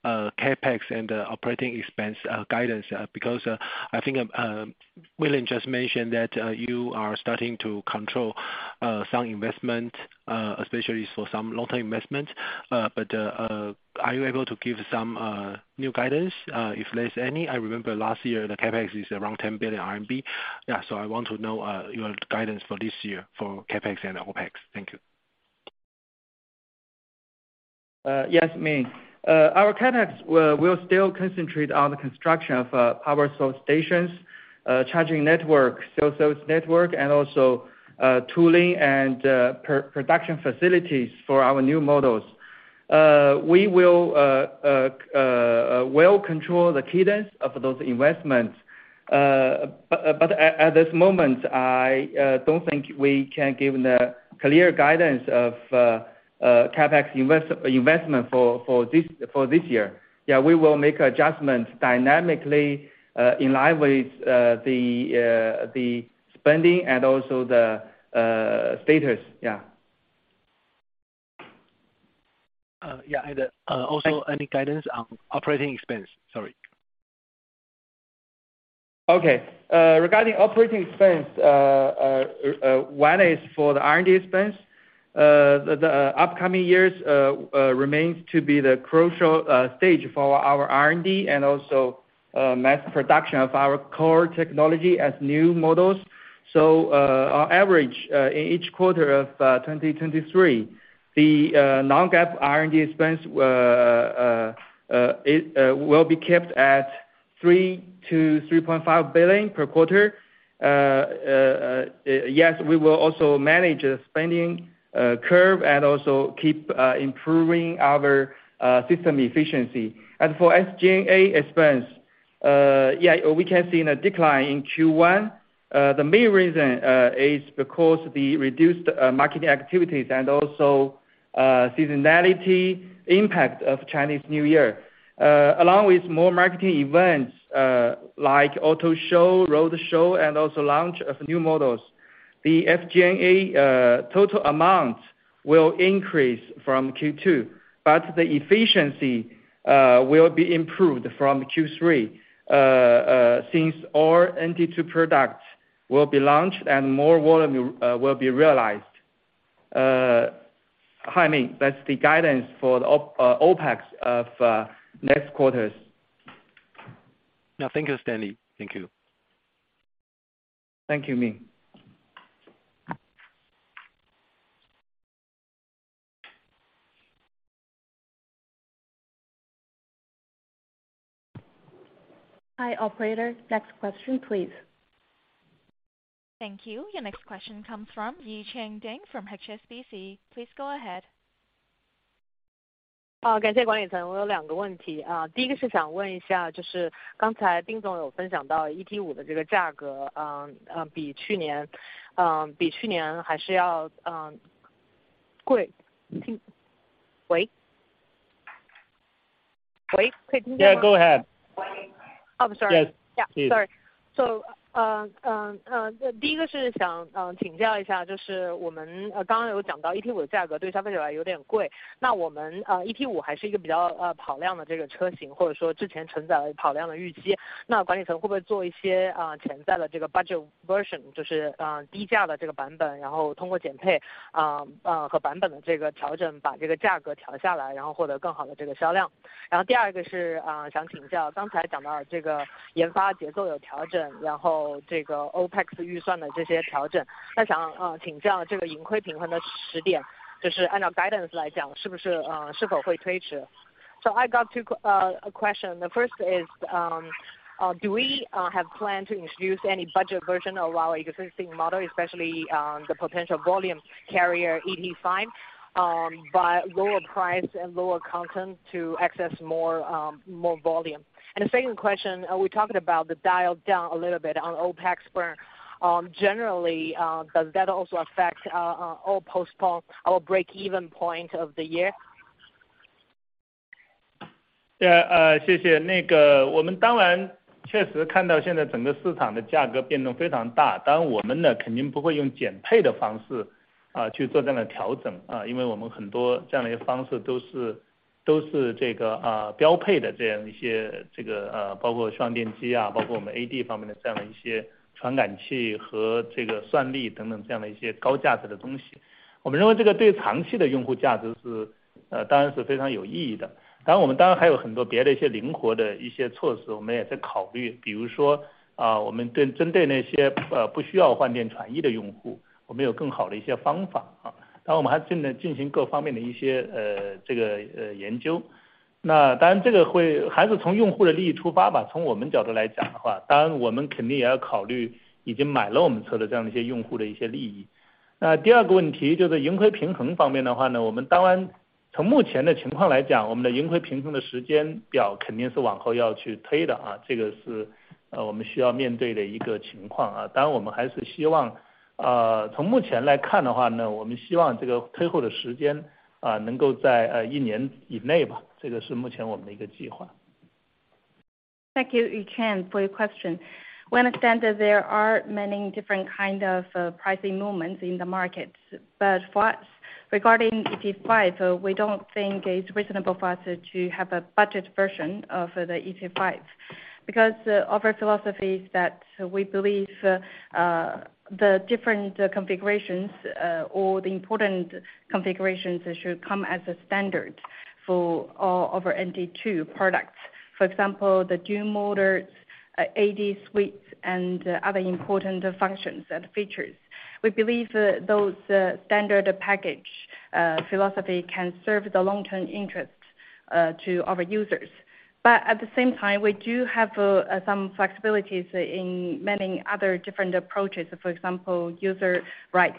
H: CapEx and operating expense guidance, because I think William just mentioned that you are starting to control some investment, especially for some long-term investment. Are you able to give some new guidance, if there's any? I remember last year, the CapEx is around 10 billion RMB. I want to know your guidance for this year for CapEx and OpEx. Thank you.
G: Yes, Ming. Our CapEx will still concentrate on the construction of Power Swap Stations, charging network, sales source network, and also tooling and production facilities for our new models. We will well control the cadence of those investments. At this moment, I don't think we can give the clear guidance of CapEx investment for this year. We will make adjustments dynamically in line with the spending and also the status.
H: yeah, also any guidance on operating expense? Sorry.
G: Okay. Regarding operating expense, one is for the R&D expense. The upcoming years remains to be the crucial stage for our R&D and also mass production of our core technology as new models. On average, in each quarter of 2023, the non-GAAP R&D expense, it will be kept at 3 billion- 3.5 billion per quarter. Yes, we will also manage the spending curve and also keep improving our system efficiency. For SG&A expense, yeah, we can see a decline in Q1. The main reason is because the reduced marketing activities and also seasonality impact of Chinese New Year. Along with more marketing events, like auto show, road show, and also launch of new models, the SG&A total amount will increase from Q2, but the efficiency will be improved from Q3 since our NT2 product will be launched and more volume will be realized. Hi, Ming. That's the guidance for the OpEx of next quarters.
H: Yeah. Thank you, Stanley. Thank you.
G: Thank you, Ming.
B: Hi, operator. Next question, please.
A: Thank you. Your next question comes from Yi Chang Ding from HSBC. Please go ahead.
I: Uh,
G: Yeah, go ahead.
A: I'm sorry.
G: Yes.
A: Yeah, sorry.
J: 第一个是想请教一 下， 就是我们刚刚有讲到 ET5 的价格对消费者来有点 贵， 那我们 ET5 还是一个比较跑量的这个车 型， 或者说之前存在跑量的预 期， 那管理层会不会做一些潜在的这个 budget version， 就是低价的这个版 本， 然后通过减配和版本的这个调 整， 把这个价格调下 来， 然后获得更好的这个销量。第二个是想请 教， 刚才讲到这个研发节奏有调 整， 这个 OPEX 预算的这些调 整， 那想请教这个盈亏平衡的时 点， 就是按照 guidance 来 讲， 是不是是否会推迟。
I: I got to a question. The first is, do we have plan to introduce any budget version of our existing model, especially the potential volume carrier ET5, by lower price and lower content to access more volume? The second question, we talked about the dial down a little bit on OpEx burn, generally, does that also affect our or postpone our breakeven point of the year?
C: 谢谢。那个我们当然确实看到现在整个市场的价格变动非常 大， 当然我们 呢， 肯定不会用减配的方 式， 去做这样的调 整， 因为我们很多这样的一个方式都是这个标配 的， 这样一 些， 这个包括充电 机， 包括我们 AD 方面的这样的一些传感器和这个算力等等这样的一些高价值的东 西， 我们认为这个对长期的用户价值是当然是非常有意义的。当然我们当然还有很多别的一些灵活的一些措 施， 我们也在考 虑， 比如 说， 我们针对那些不需要换电转移的用 户， 我们有更好的一些方法，当然我们还在进行各方面的一些这个研究。那当然这个会还是从用户的利益出发 吧， 从我们角度来讲的 话， 当然我们肯定也要考虑已经买了我们车的这样的一些用户的一些利益。那第二个问 题， 就是盈亏平衡方面的话 呢， 我们当然从目前的情况来 讲， 我们的盈亏平衡的时间表肯定是往后要去推 的， 这个是我们需要面对的一个情况。当然我们还是希 望， 从目前来看的话 呢， 我们希望这个推后的时 间， 能够在一年以内 吧， 这个是目前我们的一个计划。
B: Thank you, Yuquean, for your question. We understand that there are many different kind of pricing movements in the markets, regarding ET5, we don't think it's reasonable for us to have a budget version of the ET5. Our philosophy is that we believe the different configurations or the important configurations should come as a standard for all over NT2 products. For example, the dual motor, AD suites and other important functions and features, we believe those standard package philosophy can serve the long-term interest to our users. At the same time, we do have some flexibilities in many other different approaches, for example, user rights,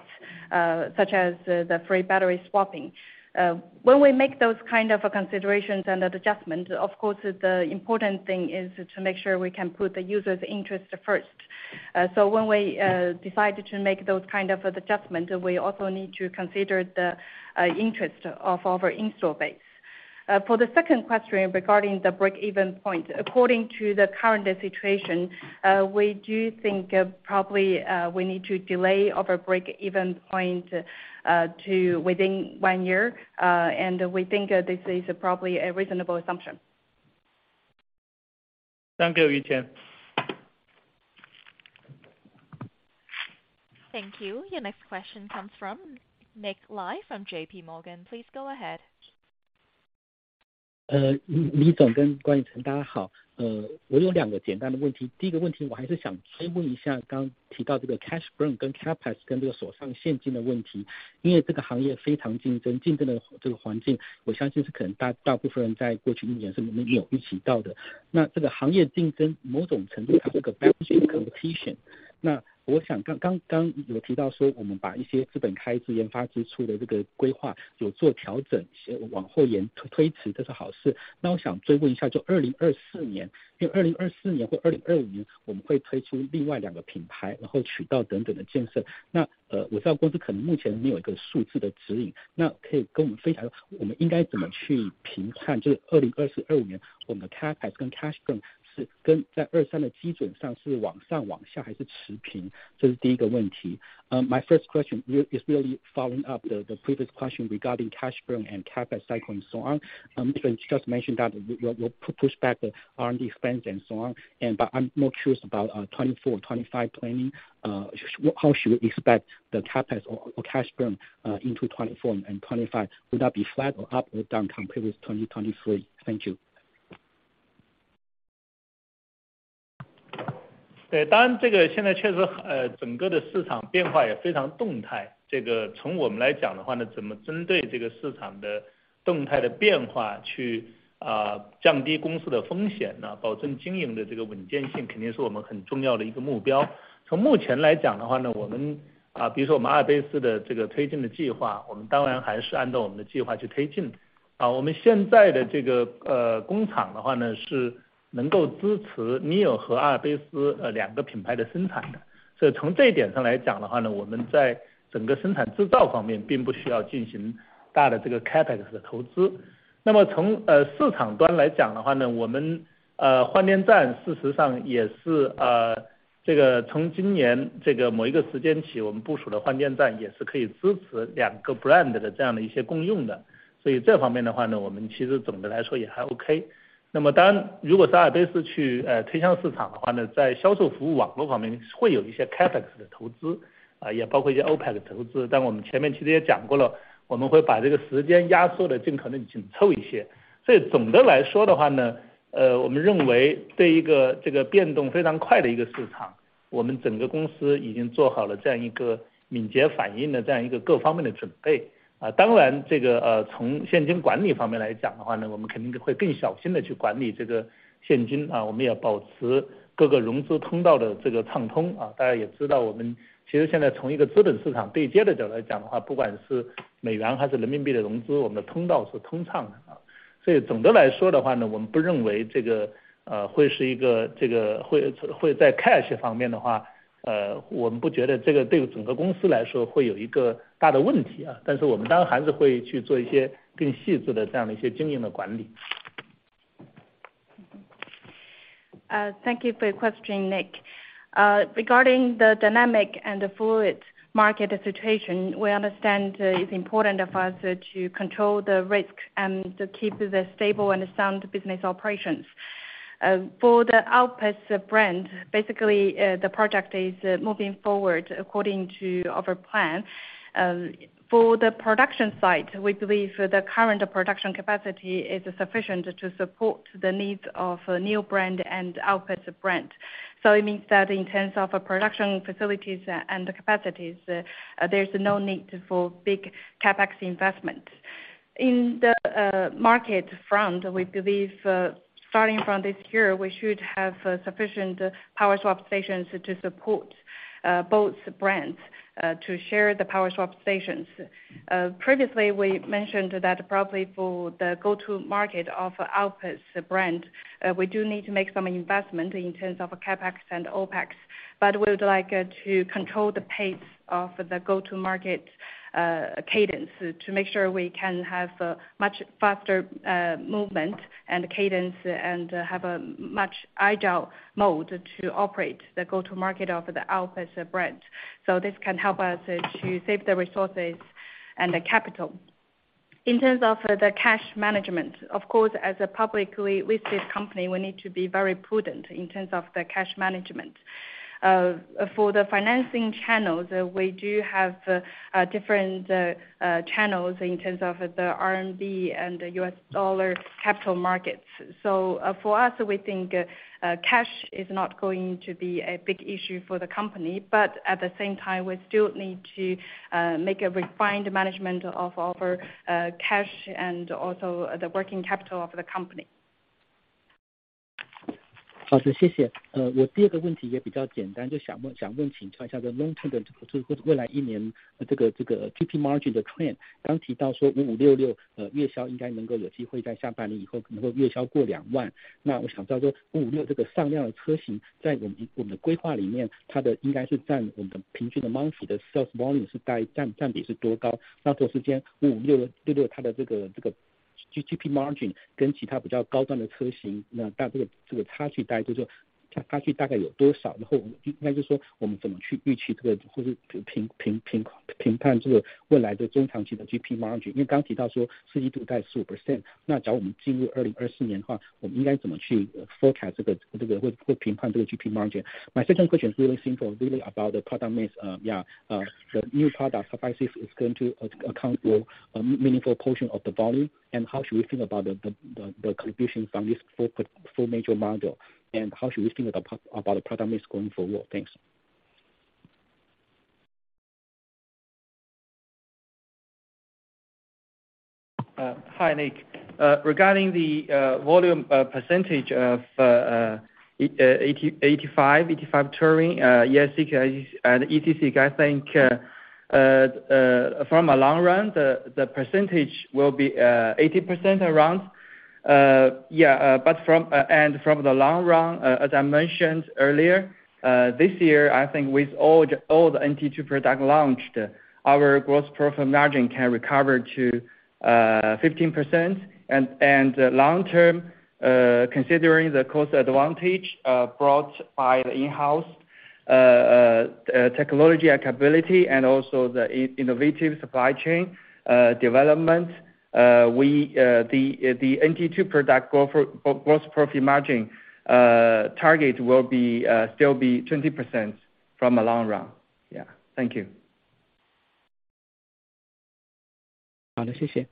B: such as the free battery swapping. When we make those kind of considerations and adjustment, of course, the important thing is to make sure we can put the users interest first. When we decide to make those kind of adjustment, we also need to consider the interest of our install base. For the second question regarding the breakeven point, according to the current situation, we do think probably we need to delay our breakeven point to within one year, we think this is probably a reasonable assumption.
C: Thank you, Yuqean.
A: Thank you, your next question comes from Nick Lai from JP Morgan, please go ahead.
K: 李总跟冠宇，大家好，我有两个简单的问题。第一个问题我还是想追问一下，刚刚提到这个 cash burn 跟 CAPEX，跟这个手上现金的问题。因为这个行业非常竞争，竞争的这个环境我相信是可能大部分人在过去一年是都有一起到的，那这个行业竞争某种程度它这个 competition，那我想刚刚有提到说我们把一些资本开支、研发支出的这个规划有做调整，先往后延推迟，这是好事。我想追问一下，就 2024 年，因为 2024 年或 2025 年我们会推出另外两个品牌，然后渠道等等的建设。我知道公司可能目前没有一个数字的指引，可以跟我们分享我们应该怎么去评判，就是 2024、2025 年我们的 CAPEX 跟 cash burn 是跟在 2023 的基准上，是往上，往下还是持平？这是第一个问题。My first question is really following up the previous question regarding cash burn and CAPEX cycle and so on. Just mentioned that you push back the R&D expense and so on, and but I'm more curious about 2024 or 2025 planning. How should we expect the CAPEX or cash burn into 2024 and 2025? Will that be flat or up or down compared with 2023? Thank you.
C: 对， 当然这个现在确 实， 呃， 整个的市场变化也非常动 态， 这个从我们来讲的话 呢， 怎么针对这个市场的动态的变化 去， 啊， 降低公司的风险 呢， 保证经营的这个稳健性肯定是我们很重要的一个目标。从目前来讲的话 呢， 我 们， 啊， 比如说我们阿尔卑斯的这个推进的计 划， 我们当然还是按照我们的计划去推进的。啊， 我们现在的这 个， 呃， 工厂的话 呢， 是能够支持 NIO 和阿尔卑 斯， 呃， 两个品牌的生产的。所以从这一点上来讲的话 呢， 我们在整个生产制造方面并不需要进行大的这个 CAPEX 的投资。那么 从， 呃， 市场端来讲的话 呢， 我 们， 呃， 换电站事实上也 是， 呃， 这个从今年这个某一个时间 起， 我们部署的换电站也是可以支持两个 brand 的这样的一些共用的。所以这方面的话 呢， 我们其实总的来说也还 OK。那么当然如果是阿尔卑斯 去， 呃， 推向市场的话 呢， 在销售服务网络方面会有一些 CAPEX 的投 资， 啊， 也包括一些 OPEX 的投 资， 但我们前面其实也讲过 了， 我们会把这个时间压缩得尽可能紧凑一些。所以总的来说的话 呢， 呃， 我们认为对一个这个变动非常快的一个市 场...... 我们整个公司已经做好了这样一个敏捷反应的这样一个各方面的准备。啊， 当 然， 这个 呃， 从现金管理方面来讲的话 呢， 我们肯定会更小心地去管理这个现 金， 啊我们要保持各个融资通道的这个畅通。啊， 大家也知 道， 我们其实现在从一个资本市场对接的角度来讲的 话， 不管是美元还是人民币的融 资， 我们的通道是通畅的。啊， 所以总的来说的话 呢， 我们不认为这个 ，呃， 会是一 个， 这 个， 会， 会在 cash 方面的 话， 呃， 我们不觉得这个对整个公司来说会有一个大的问 题， 啊， 但是我们当然还是会去做一些更细致的这样的一些经营的管理。
B: Thank you for your question, Nick. Regarding the dynamic and the fluid market situation, we understand it's important for us to control the risk and to keep the stable and sound business operations. For the Alps brand, basically, the project is moving forward according to our plan. For the production side, we believe the current production capacity is sufficient to support the needs of new brand and Alps brand. It means that in terms of production facilities and capacities, there's no need for big CapEx investment. In the market front, we believe, starting from this year, we should have sufficient Power Swap Stations to support both brands, to share the Power Swap Stations. Previously, we mentioned that probably for the go to market of Alps brand, we do need to make some investment in terms of CapEx and OpEx, but we would like to control the pace of the go to market cadence, to make sure we can have a much faster movement and cadence, and have a much agile mode to operate the go to market of the Alps brand. This can help us to save the resources and the capital. In terms of the cash management, of course, as a publicly listed company, we need to be very prudent in terms of the cash management. For the financing channels, we do have different channels in terms of the RMB and US dollar capital markets. For us, we think cash is not going to be a big issue for the company, but at the same time, we still need to make a refined management of our cash and also the working capital of the company.
K: 好 的， 谢谢。我第二个问题也比较简 单， 就想问请教一下 the long term， 就是未来一年这个 GP margin trend。刚提到说 5566， 月销应该能够有机会在下半年以后能够月销过 20,000。我想知道说5566这个上量的车 型， 在我们的规划里 面， 它应该是占我们的平均 monthly sales volume 是大概占比是多 高？ 同时兼5566它的这个 GP margin 跟其他比较高端的车 型， 这个差距大概就是差距大概有多 少？ 应该就是说我们怎么去预期这 个， 或是评判这个未来的中长期的 GP margin。刚 提到说 Q4 在 15%。假如我们进入2024年的 话， 我们应该怎么去 forecast 这个或評判这个 GP margin。My second question is really simple, really about the product mix. The new product supplies is going to account for a meaningful portion of the volume, and how should we think about the contribution from this four major model, and how should we think about the product mix going forward? Thanks。
G: Hi, Nick, regarding the volume percentage of ET85, 85 Touring, yes, and ETC, I think from a long run, the percentage will be 80% around, yeah, but from and from the long run, as I mentioned earlier, this year, I think with all the NT2 product launched, our gross profit margin can recover to 15%. Long term, considering the cost advantage brought by the in house technology and capability, and also the innovative supply chain development, we the NT2 product gross profit margin target will be still be 20% from a long run.
K: Yeah, thank you. 好 的， 谢谢。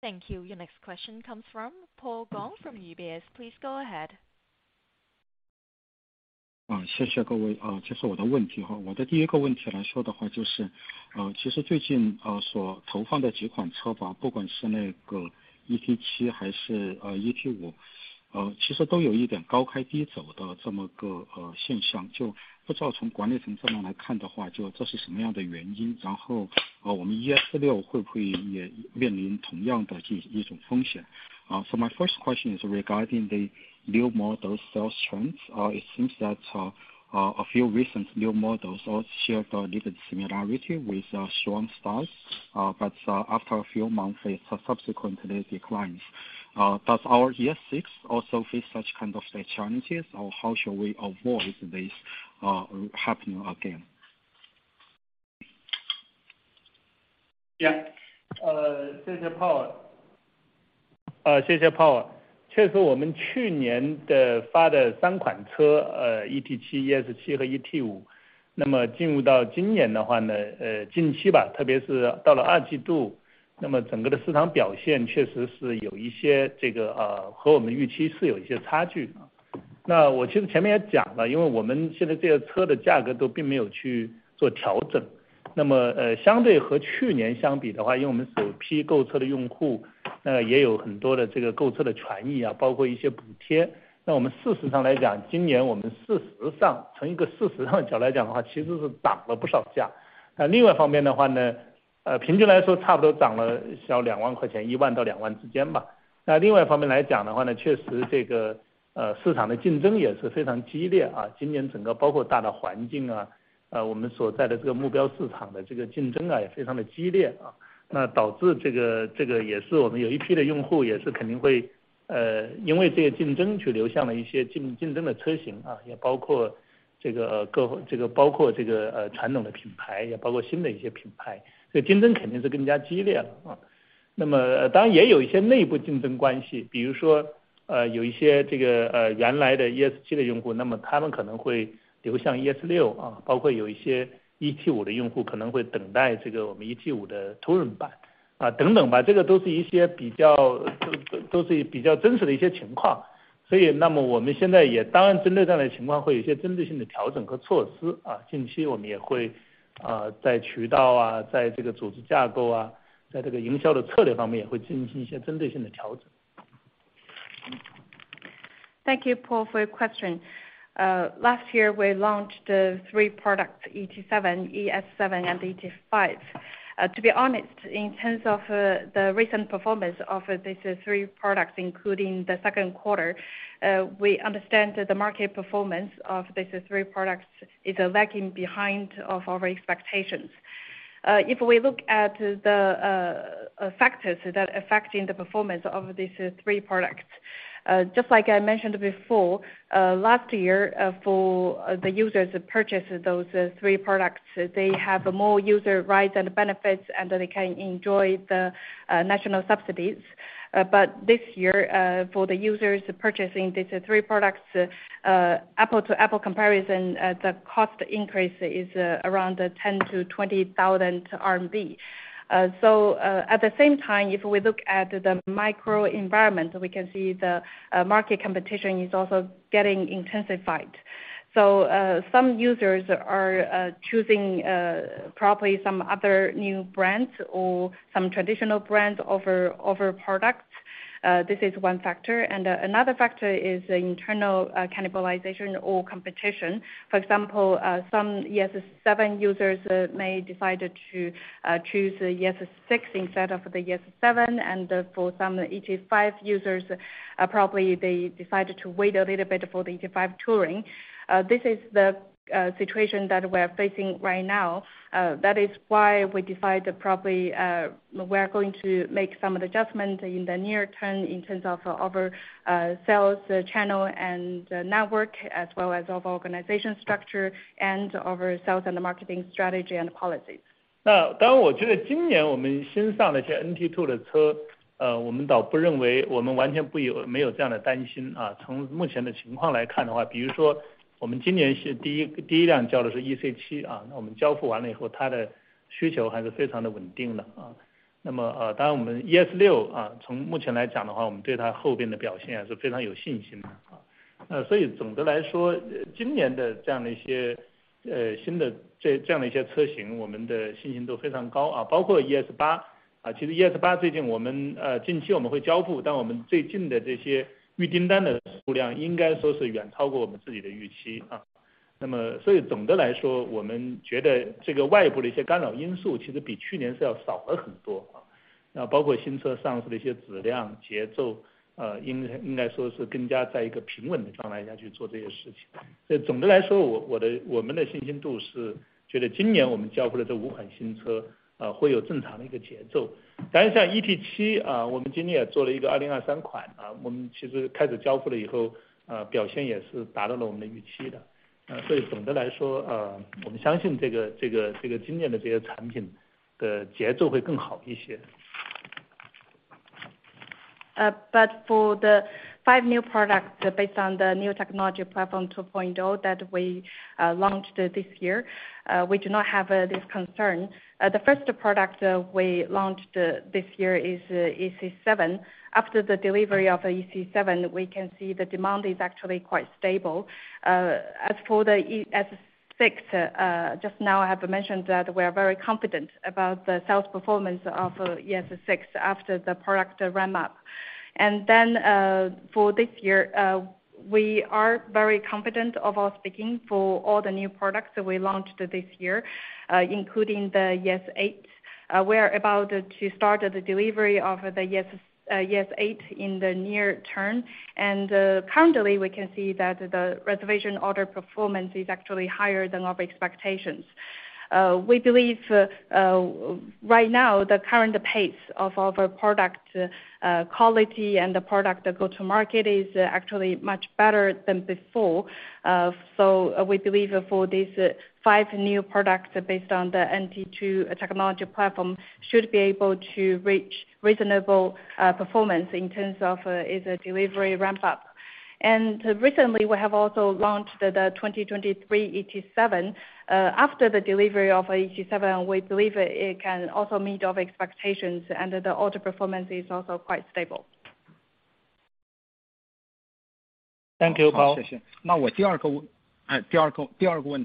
A: Thank you. Your next question comes from Paul Gong from UBS. Please go ahead.
L: 谢谢各位。这是我的问题哈。我的第一个问题来说的 话， 就 是， 其实最近所投放的几款车 吧， 不管是那个 ET7 还是 ET5， 其实都有一点高开低走的这么个现 象， 就不知道从管理层这边来看的 话， 就这是什么样的原 因， 然 后， 我们 ES6 会不会也面临同样的这一种风 险？ My first question is regarding the new model sales trends. It seems that a few recent new models all shared a little similarity with strong starts, but after a few months, it subsequently declines. Does our ES6 also face such kind of challenges, or how should we avoid this happening again?
C: Yeah。呃， 谢谢 Paul。呃， 谢谢 Paul。确 实， 我们去年的发的三款 车， 呃 ，ET7，ES7 和 ET5... 进入到今年的话 呢， 近期 吧， 特别是到了 Q2， 整个的市场表现确实是有一些和我们预期是有一些差距的。我其实前面也讲 了， 因为我们现在车的价格都并没有去做调整，相对和去年相比的 话， 因为我们首批购车的用 户， 也有很多的购车的权益 啊， 包括一些补 贴， 我们事实上来 讲， 今年我们事实 上， 从一个事实上的角度来讲的 话， 其实是涨了不少价。另外方面的话 呢， 平均来说差不多涨了 RMB 20,000， RMB 10,000-RMB 20,000之 间吧。另外一方面来讲的话 呢， 确实市场的竞争也是非常激烈 啊， 今年整个包括大的环境啊，我们所在的目标市场的竞争 啊， 也非常的激烈 啊， 导致这个也是我们有一批的用 户， 也是肯定会因为这个竞争去流向了一些竞争的车型 啊， 也包括传统的品 牌， 也包括新的一些品 牌， 竞争肯定是更加激烈了啊。当然也有一些内部竞争关 系， 比如 说， 有一些原来的 ES7 的用 户， 他们可能会流向 ES6， 包括有一些 ET5 的用 户， 可能会等待我们 ET5 Touring 版 啊， 等等 吧， 都是一些比较真实的一些情况。我们现在也当然针对这样的情 况， 会有一些针对性的调整和措 施， 近期我们也会在渠 道， 在组织架 构， 在营销的策略方面也会进行一些针对性的调整。
B: Thank you, Paul, for your question. Last year, we launched the three products EC7, ES7 and ET5. To be honest, in terms of, the recent performance of these three products, including the Q2, we understand that the market performance of these three products is lagging behind of our expectations. If we look at the factors that affecting the performance of these three products, just like I mentioned before, last year, for the users that purchased those three products, they have more user rights and benefits, and they can enjoy the national subsidies. This year, for the users purchasing these three products, apple to apple comparison, the cost increase is around 10,000-20,000 RMB. At the same time, if we look at the microenvironment, we can see the market competition is also getting intensified. Some users are choosing probably some other new brands or some traditional brands over products. This is one factor. Another factor is the internal cannibalization or competition. For example, some ES7 users may decided to choose ES6 instead of the ES7, and for some ET5 users, probably they decided to wait a little bit for the ET5 Touring. This is the situation that we are facing right now. That is why we decided to probably we are going to make some adjustment in the near term in terms of our sales channel and network, as well as of organization structure and our sales and marketing strategy and policies.
C: 那当然我觉得今年我们新上了这些 NT2 的 车， 呃， 我们倒不认为我们完全不 有， 没有这样的担心啊。从目前的情况来看的 话， 比如说我们今年是第 一， 第一辆交的是 EC7， 啊那我们交付完了以 后， 它的需求还是非常的稳定的啊。那么 呃， 当然我们 ES6 啊， 从目前来讲的 话， 我们对它后边的表现还是非常有信心的啊。呃， 所以总的来 说， 呃， 今年的这样的一 些， 呃， 新的 ，这， 这样的一些车 型， 我们的信心都非常 高， 啊， 包括 ES8， 啊其实 ES8 最近我 们， 呃， 近期我们会交 付， 但我们最近的这些预订单的数量应该说是远超过我们自己的预期啊。那么所以总的来 说， 我们觉得这个外部的一些干扰因素其实比去年是要少了很 多， 啊包括新车上市的一些质量、节奏 ，呃， 应 该， 应该说是更加在一个平稳的状态下去做这些事情。所以总的来 说， 我， 我 的， 我们的信心度是觉得今年我们交付的这五款新 车， 呃， 会有正常的一个节奏。当然像 ET7， 啊， 我们今年也做了一个2023 款， 啊， 我们其实开始交付了以 后， 呃， 表现也是达到了我们的预期的。呃， 所以总的来 说， 呃， 我们相信这 个， 这 个， 这个今年的这些产品的节奏会更好一些。
B: For the five new products based on the new technology platform 2.0 that we launched this year, we do not have this concern. The first product we launched this year is EC7. After the delivery of EC7, we can see the demand is actually quite stable. As for the ES6, just now I have mentioned that we are very confident about the sales performance of ES6 after the product ramp up. For this year, we are very confident of our speaking for all the new products we launched this year, including the ES8. We are about to start the delivery of the ES8 in the near term. Currently, we can see that the reservation order performance is actually higher than our expectations. We believe, right now, the current pace of our product quality and the product go to market is actually much better than before. We believe for these five new products based on the NT 2.0 technology platform, should be able to reach reasonable performance in terms of its delivery ramp up. Recently we have also launched the 2023 ET7. After the delivery of ET7, we believe it can also meet our expectations, and the order performance is also quite stable.
C: Thank you, Gong.
L: 那我第二个 问， 呃， 第二 个， 第二个问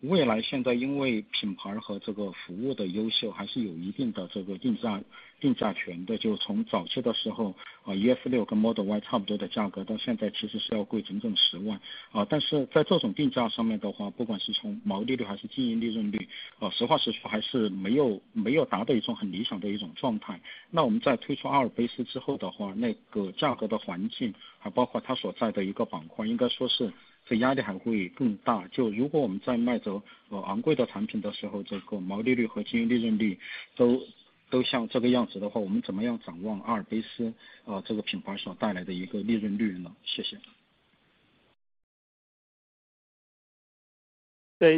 L: 题来说的 话， 是那个高价产品和低 价， 啊高价品牌和低价品牌的一个区别和就 是， 呃， 应该说蔚来现在因为品牌和这个服务的优 秀， 还是有一定的这个定 价， 定价权 的， 就是从早期的时 候， 啊 ，ES6 跟 Model Y 差不多的价 格， 到现在其实是要贵整整十万。呃但是在这种定价上面的 话， 不管是从毛利率还是经营利润 率， 呃， 实话实 说， 还是没 有， 没有达到一种很理想的一种状态。那我们在推出阿尔卑斯之后的 话， 那个价格的环 境， 啊包括它所在的一个板 块， 应该说是这压力还会更大。就如果我们在卖这个 呃， 昂贵的产品的时 候， 这个毛利率和经营利润率 都， 都像这个样子的 话， 我们怎么样展望阿尔卑 斯， 呃， 这个品牌所带来的一个利润率 呢？ 谢谢。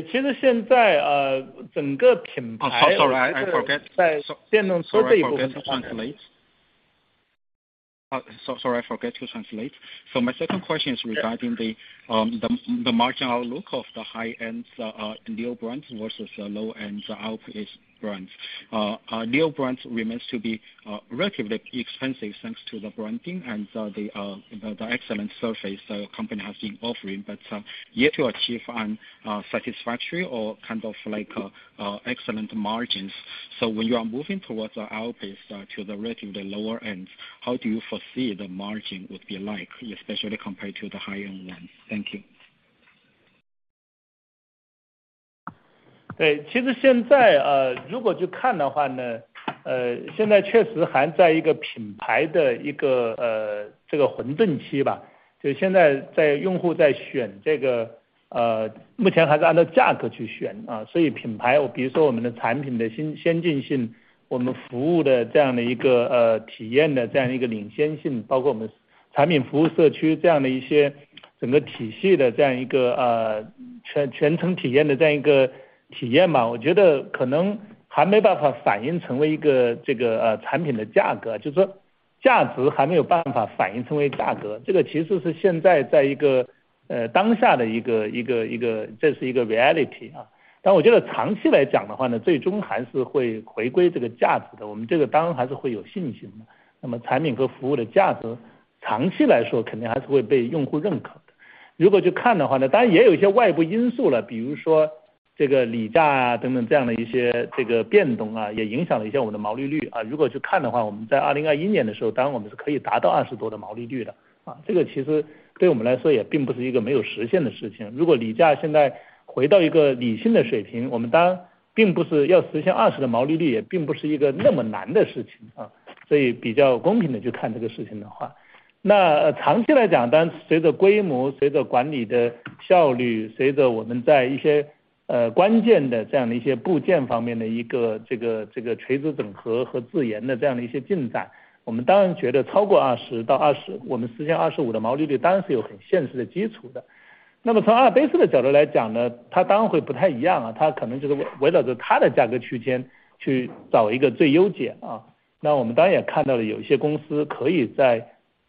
C: 其实现 在， 整个品 牌.
L: Oh, sorry, I forget.
C: 在电动车这一部分-
L: Sorry, forget to translate. Sorry I forget to translate. My second question is regarding the marginal look of the high-ends NIO brands versus the low-ends Alps brands. NIO brands remains to be relatively expensive, thanks to the branding and the excellent service the company has been offering, but yet to achieve on satisfactory or kind of like excellent margins. When you are moving towards Alps, to the relatively lower ends, how do you foresee the margin would be like, especially compared to the high-end ones? Thank you.
C: 对， 其实现 在， 呃， 如果去看的话 呢， 呃， 现在确实还在一个品牌的一 个， 呃， 这个混沌期 吧， 就现在在用户在选这 个， 呃， 目前还是按照价格去 选， 啊， 所以品 牌， 比如说我们的产品的 先， 先进 性， 我们服务的这样的一 个， 呃， 体验的这样一个领先 性， 包括我们产品服务社区这样的一些整个体系的这样一 个， 呃， 全， 全程体验的这样一个体验 吧， 我觉得可能还没办法反映成为一 个， 这 个， 呃， 产品的价 格， 就是说价值还没有办法反映成为价 格， 这个其实是现在在一 个， 呃， 当下的一 个， 一 个， 一 个， 这是一个 reality， 啊。但我觉得长期来讲的话 呢， 最终还是会回归这个价值 的， 我们这个当然还是会有信心的。那么产品和服务的价 值， 长期来说肯定还是会被用户认可的。如果去看的话 呢， 当然也有一些外部因素 了， 比如说这个理价啊等等这样的一些这个变动 啊， 也影响了一下我们的毛利率。啊如果去看的 话， 我们在二零二一年的时 候， 当然我们是可以达到二十多的毛利率 的， 啊， 这个其实对我们来说也并不是一个没有实现的事情。如果理价现在回到一个理性的水 平， 我们当然并不是要实现二十的毛利 率， 也并不是一个那么难的事情 啊， 所以比较公平地去看这个事情的 话， 那长期来 讲， 当然随着规 模， 随着管理的效 率， 随着我们在一 些， 呃， 关键的这样的一些部件方面的一 个， 这 个， 这个垂直整合和自研的这样的一些进 展， 我们当然觉得超过二十到二 十， 我们实现二十五的毛利率当然是有很现实的基础的。那么从阿尔卑斯的角度来讲 呢， 它当然会不太一样 啊， 它可能就是 围， 围绕着它的价格区间去找一个最优解啊。那我们当然也看到 了， 有些公司可以在，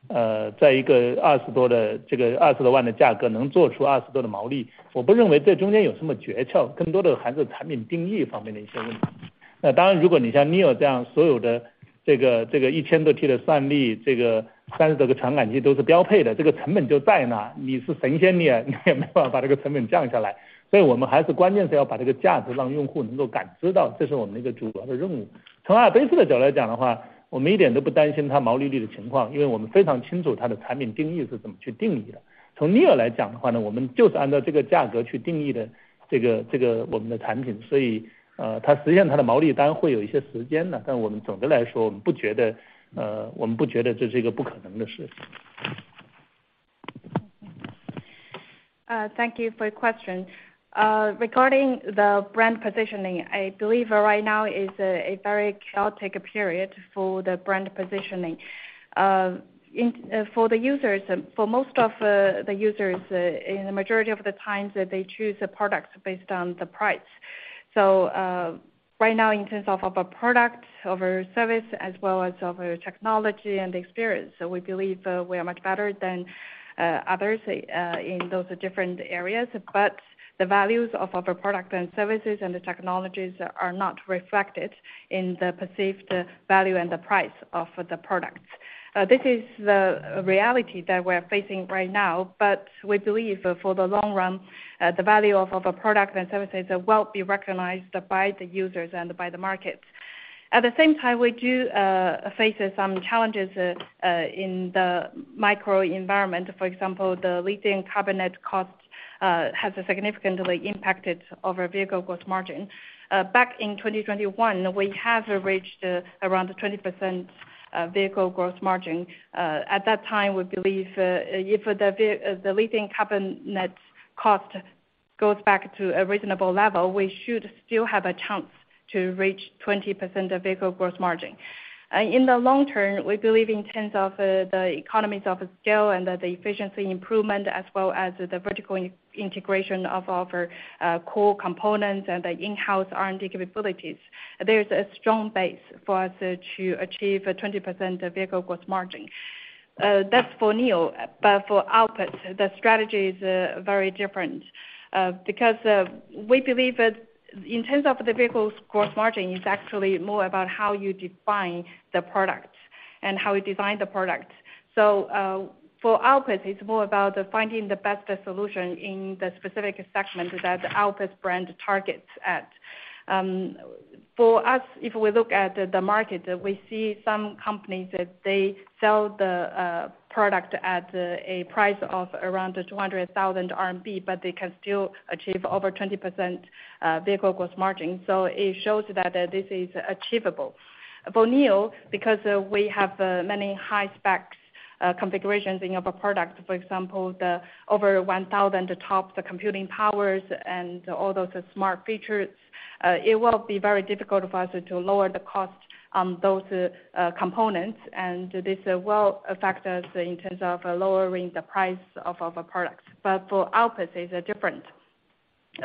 C: 呃， 在一个二十多的这个二十多万的价 格， 能做出二十多的毛 利， 我不认为这中间有什么诀 窍， 更多的还是产品定义方面的一些问题。那当 然， 如果你像 NIO 这样所有的这 个， 这个一千多 T 的算 力， 这个三十多个传感器都是标配 的， 这个成本就在 那， 你是神 仙， 你你也没办法把这个成本降下来。所以我们还是关键是要把这个价值让用户能够感知 到， 这是我们的一个主要的任务。从阿尔卑斯的角度来讲的 话， 我们一点都不担心它毛利率的情 况， 因为我们非常清楚它的产品定义是怎么去定义的。从 NIO 来讲的话 呢， 我们就是按照这个价格去定义 的， 这 个， 这个我们的产 品， 所 以， 呃， 它实现它的毛利当然会有一些时间 的， 但我们总的来 说， 我们不觉 得， 呃， 我们不觉得这是一个不可能的事情。
B: Thank you for your question. Regarding the brand positioning, I believe right now is a very chaotic period for the brand positioning. In for the users, for most of the users, in the majority of the times, they choose the products based on the price. Right now, in terms of a product, of our service, as well as of our technology and experience, so we believe we are much better than others in those different areas. The values of our product and services and the technologies are not reflected in the perceived value and the price of the products. This is the reality that we're facing right now, but we believe for the long run, the value of our product and services are well be recognized by the users and by the market. At the same time, we do face some challenges in the microenvironment. For example, the lithium carbonate cost has significantly impacted our vehicle growth margin. Back in 2021, we have reached around 20% vehicle growth margin, at that time, we believe, if the lithium carbonate cost goes back to a reasonable level, we should still have a chance to reach 20% of vehicle growth margin.... In the long term, we believe in terms of the economies of scale and the efficiency improvement, as well as the vertical integration of our core components and the in-house R&D capabilities, there's a strong base for us to achieve a 20% vehicle gross margin. That's for NIO, but for Alps, the strategy is very different. Because we believe that in terms of the vehicle's gross margin, it's actually more about how you define the product and how you design the product. For Alps, it's more about finding the best solution in the specific segment that Alps brand targets at. For us, if we look at the market, we see some companies, they sell the product at a price of around 200,000 RMB, but they can still achieve over 20% vehicle gross margin, so it shows that this is achievable. For NIO, because we have many high specs configurations in our product, for example, the over 1,000 top, the computing powers and all those smart features, it will be very difficult for us to lower the cost on those components, and this will affect us in terms of lowering the price of our products. But for Alps, it's different.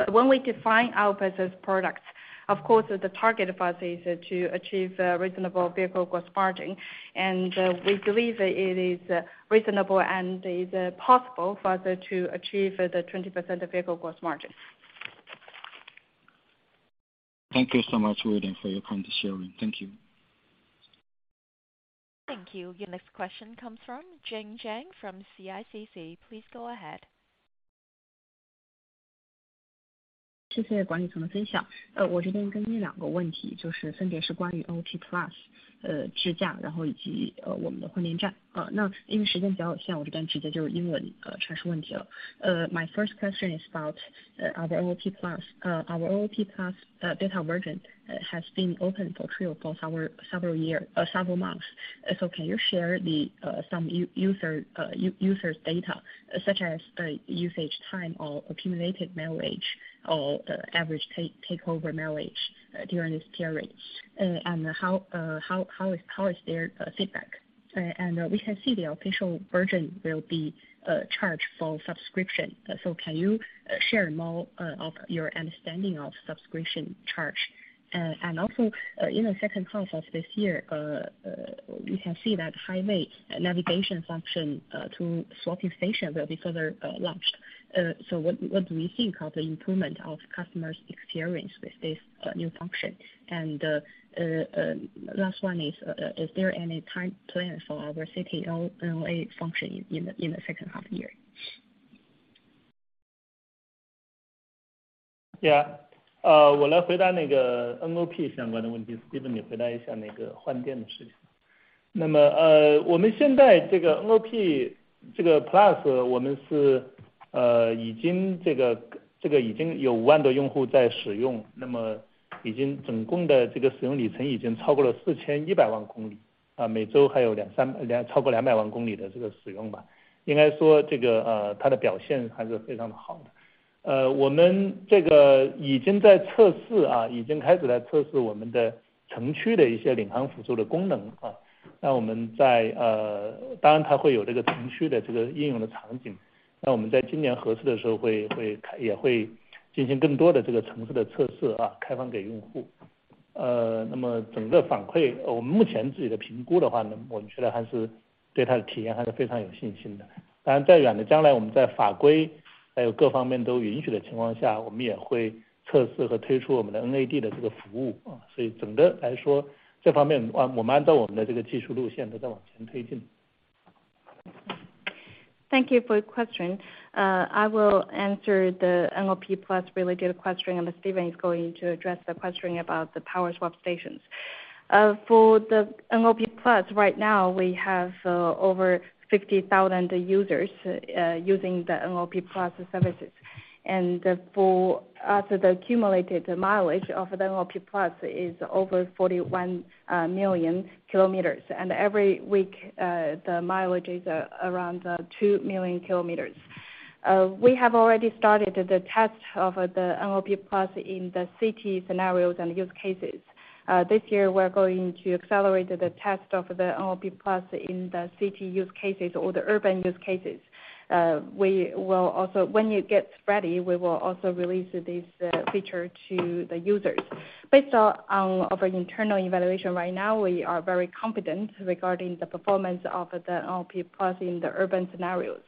B: When we define Alps products, of course, the target for us is to achieve reasonable vehicle gross margin, and we believe that it is reasonable and is possible for us to achieve the 20% vehicle gross margin.
L: Thank you so much, William, for your kind sharing. Thank you.
A: Thank you. Your next question comes from Jane Jang from CICC. Please go ahead.
M: Thank you, 语管理层分享。我这边跟你两个问 题， 就是分别是关于 NOP Plus， 支 架， 然后以 及， 我们的换电站。那因为时间比较有 限， 我这边直接就用英 文， 传输问题了。My first question is about our NOP Plus. Our NOP Plus Beta has been open for trial for several months. Can you share the user's data, such as usage time or accumulated mileage, or average takeover mileage during this period? How is their feedback? We can see the official version will be charged for subscription. Can you share more of your understanding of subscription charge? Also, in the second half of this year, we can see that Highway navigation function to swapping station will be further launched. What do we think of the improvement of customers' experience with this new function? Last one is there any time plan for our city NOA function in the second half of the year?
C: Yeah. 我来回答那个 NOP 相关的问 题， Steven， 你回答一下那个换电的事情。那 么， 我们现在这个 NOP， 这个 Plus， 我们 是... 呃， 已经这 个， 这个已经有五万多用户在使 用， 那么已经总共的这个使用里程已经超过了四千一百万公 里， 啊， 每周还有两 三， 两， 超过两百万公里的这个使用吧。应该 说， 这 个， 呃， 它的表现还是非常的好的。呃， 我们这个已经在测试 啊， 已经开始来测试我们的城区的一些领航辅助的功能 啊， 那我们 在... 呃， 当然它会有这个城区的这个应用的场景，那我们在今年合适的时候 会， 会， 也会进行更多的这个城市的测试 啊， 开放给用户。呃， 那么整个反 馈， 呃， 我们目前自己的评估的 话， 呢， 我觉得还是对它的体验还是非常有信心的。当然在远的将 来， 我们在法 规， 还有各方面都允许的情况 下， 我们也会测试和推出我们的 NAD 的这个服务啊。所以整个来 说， 这方面 啊， 我们按照我们的这个技术路线都在往前推进。
B: Thank you for your question. I will answer the NOP+ related question, and then Steven is going to address the questioning about the Power Swap Stations. For the NOP+, right now, we have over 50,000 users using the NOP+ services. For us, the accumulated mileage of the NOP+ is over 41 million kilometers. Every week, the mileage is around 2 million kilometers. We have already started the test of the NOP+ in the city scenarios and use cases. This year, we're going to accelerate the test of the NOP+ in the city use cases or the urban use cases. When it gets ready, we will also release this feature to the users. Based on our internal evaluation right now, we are very confident regarding the performance of the NOP+ in the urban scenarios.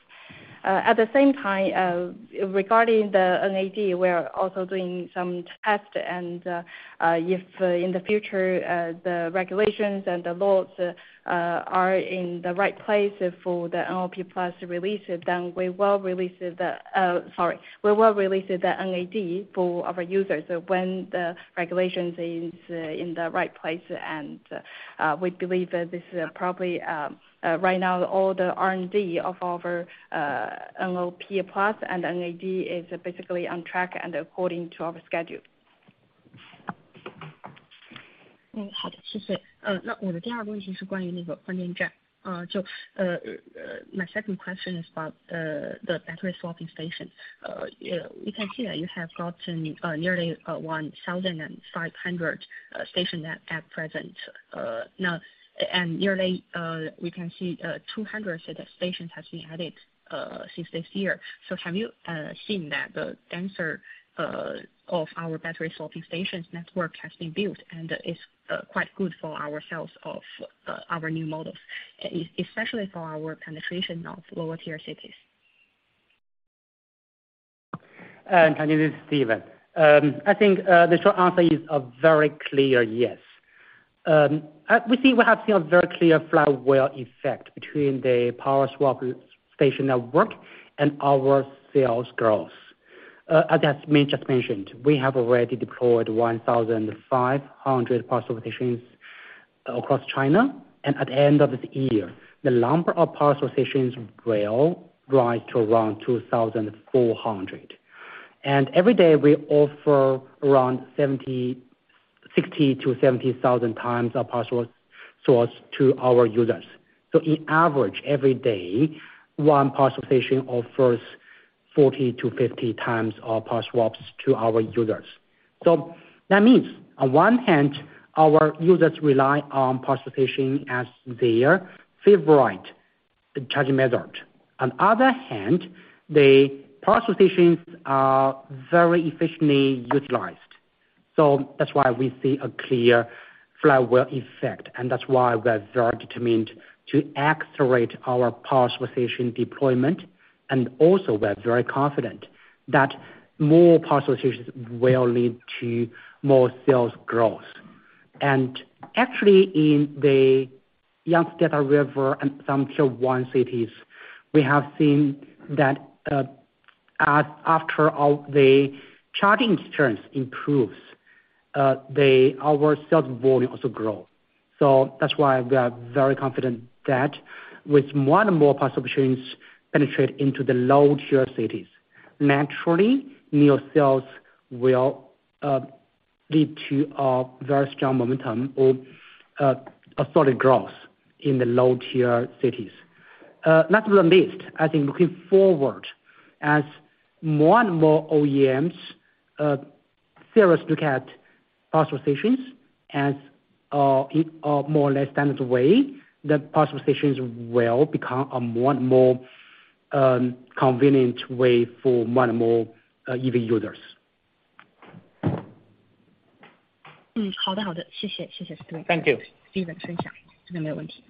B: At the same time, regarding the NAD, we are also doing some tests, and if in the future the regulations and the laws are in the right place for the NOP+ to release it, then we will release the NAD for our users when the regulations is in the right place. We believe that this is probably right now, all the R&D of our NOP+ and NAD is basically on track and according to our schedule.
M: 好 的， 谢谢。那我的第二个问题是关于那个换电 站， my second question is about the battery swapping station. Yeah, we can see that you have gotten nearly 1,500 station at present. Now, and nearly we can see 200 of the stations has been added since this year. Have you seen that the denser of our battery swapping stations network has been built and is quite good for ourselves of our new models, especially for our penetration of lower tier cities?
D: Chang, this is Steven. I think the short answer is a very clear yes. We have seen a very clear flywheel effect between the Power Swap Station network and our sales growth. As Min just mentioned, we have already deployed 1,500 Power Swap Stations across China. At the end of this year, the number of Power Swap Stations will rise to around 2,400. Every day, we offer around 60,000-70,000 times of power source to our users. On average, every day, one Power Swap Station offers 40-50 times of power swaps to our users. That means, on one hand, our users rely on Power Swap Station as their favorite charging method. On the other hand, the Power Swap Stations are very efficiently utilized. That's why we see a clear flywheel effect, and that's why we are very determined to accelerate our Power Swap Station deployment. Also, we are very confident that more Power Swap Stations will lead to more sales growth. Actually, in the Yangtze River and some Tier one cities, we have seen that, as after all, the charging experience improves, our sales volume also grow. That's why we are very confident that with more and more Power Swap Stations penetrate into the low-tier cities, naturally, NIO sales will lead to a very strong momentum or a solid growth in the low-tier cities. Last but not least, I think looking forward, as more and more OEMs seriously look at Power Swap Stations as a more or less standard way, the Power Swap Stations will become a more and more convenient way for more and more EV users.
M: 嗯， 好 的， 好的。谢 谢， 谢谢 Steven。
D: Thank you.
M: Steven， 谢谢， 没有问题。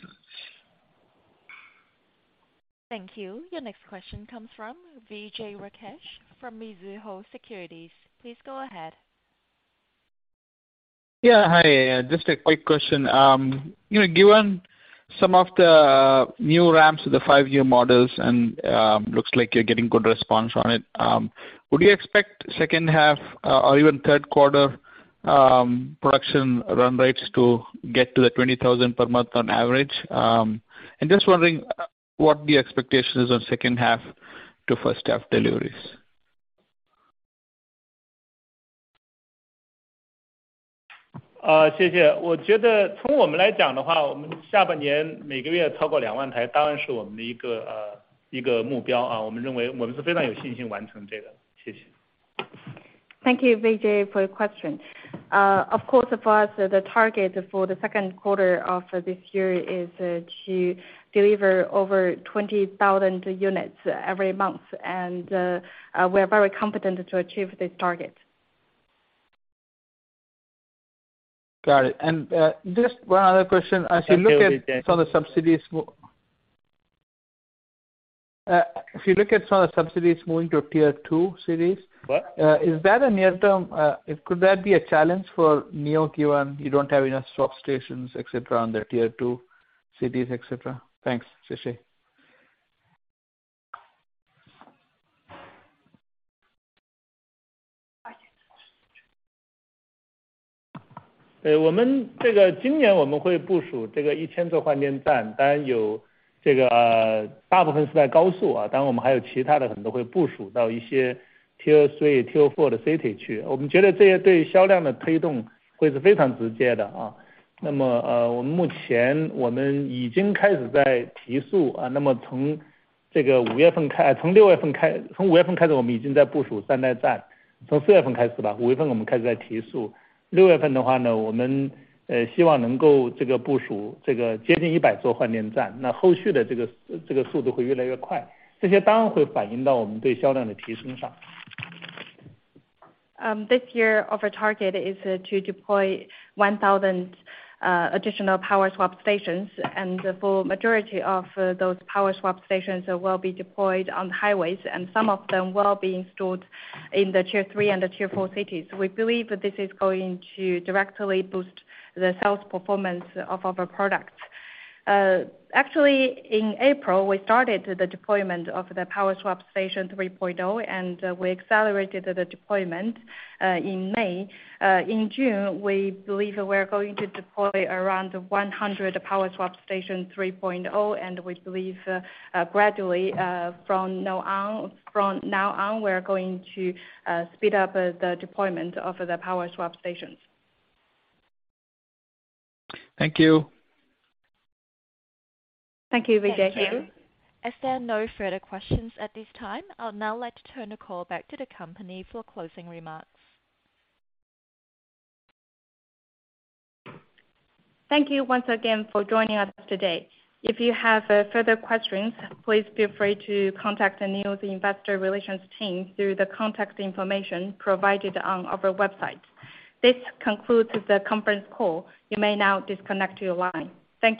A: Thank you. Your next question comes from Vijay Rakesh from Mizuho Securities. Please go ahead.
N: Yeah, hi. Just a quick question. You know, given some of the new ramps, the five-year models, and looks like you're getting good response on it, would you expect second half, or even Q3, production run rates to get to the 20,000 per month on average? Just wondering, what the expectation is on second half to first half deliveries?
C: 谢谢。我觉得从我们来讲的 话， 我们下半年每个月超过 20,000 台， 当然是我们的一 个， 一个目 标， 我们认为我们是非常有信心完成这个。谢谢。
B: Thank you, Vijay, for your question. Of course, for us, the target for the second quarter of this year is to deliver over 20,000 units every month, and we are very confident to achieve this target.
N: Got it. Just one other question. If you look at some of the subsidies moving to Tier Two cities.
C: What?
N: Is that a near-term, could that be a challenge for NIO, given you don't have enough swap stations, et cetera, on the Tier Two cities, et cetera. Thanks. Vijay.
C: 我们这个今年我们会部署这个 1,000 座换电 站， 当然有这 个， 大部分是在高 速， 当然我们还有其他 的， 很多会部署到一些 Tier 3, Tier 4的 city 去， 我们觉得这些对销量的推动会是非常直接的。我们目前我们已经开始在提 速， 从五月份开 始， 我们已经在部署换电 站， 从四月份开始 吧， 五月份我们开始在提速。六月份的话 呢， 我们希望能够这个部 署， 这个接近100座换电 站， 后续的这 个， 这个速度会越来越 快， 这些当然会反映到我们对销量的提升上。
B: This year, our target is to deploy 1,000 additional Power Swap Stations, and the full majority of those Power Swap Stations will be deployed on highways, and some of them will be installed in the Tier three and the Tier four cities. We believe that this is going to directly boost the sales performance of our products. Actually, in April, we started the deployment of the Power Swap Station 3.0, and we accelerated the deployment in May. In June, we believe we're going to deploy around 100 Power Swap Station 3.0, and we believe gradually from now on, we're going to speed up the deployment of the Power Swap Stations.
N: Thank you.
B: Thank you, Vijay.
A: Thank you. There are no further questions at this time. I'll now like to turn the call back to the company for closing remarks.
B: Thank you once again for joining us today. If you have further questions, please feel free to contact the NIO's Investor Relations team through the contact information provided on our website. This concludes the conference call. You may now disconnect your line. Thank you.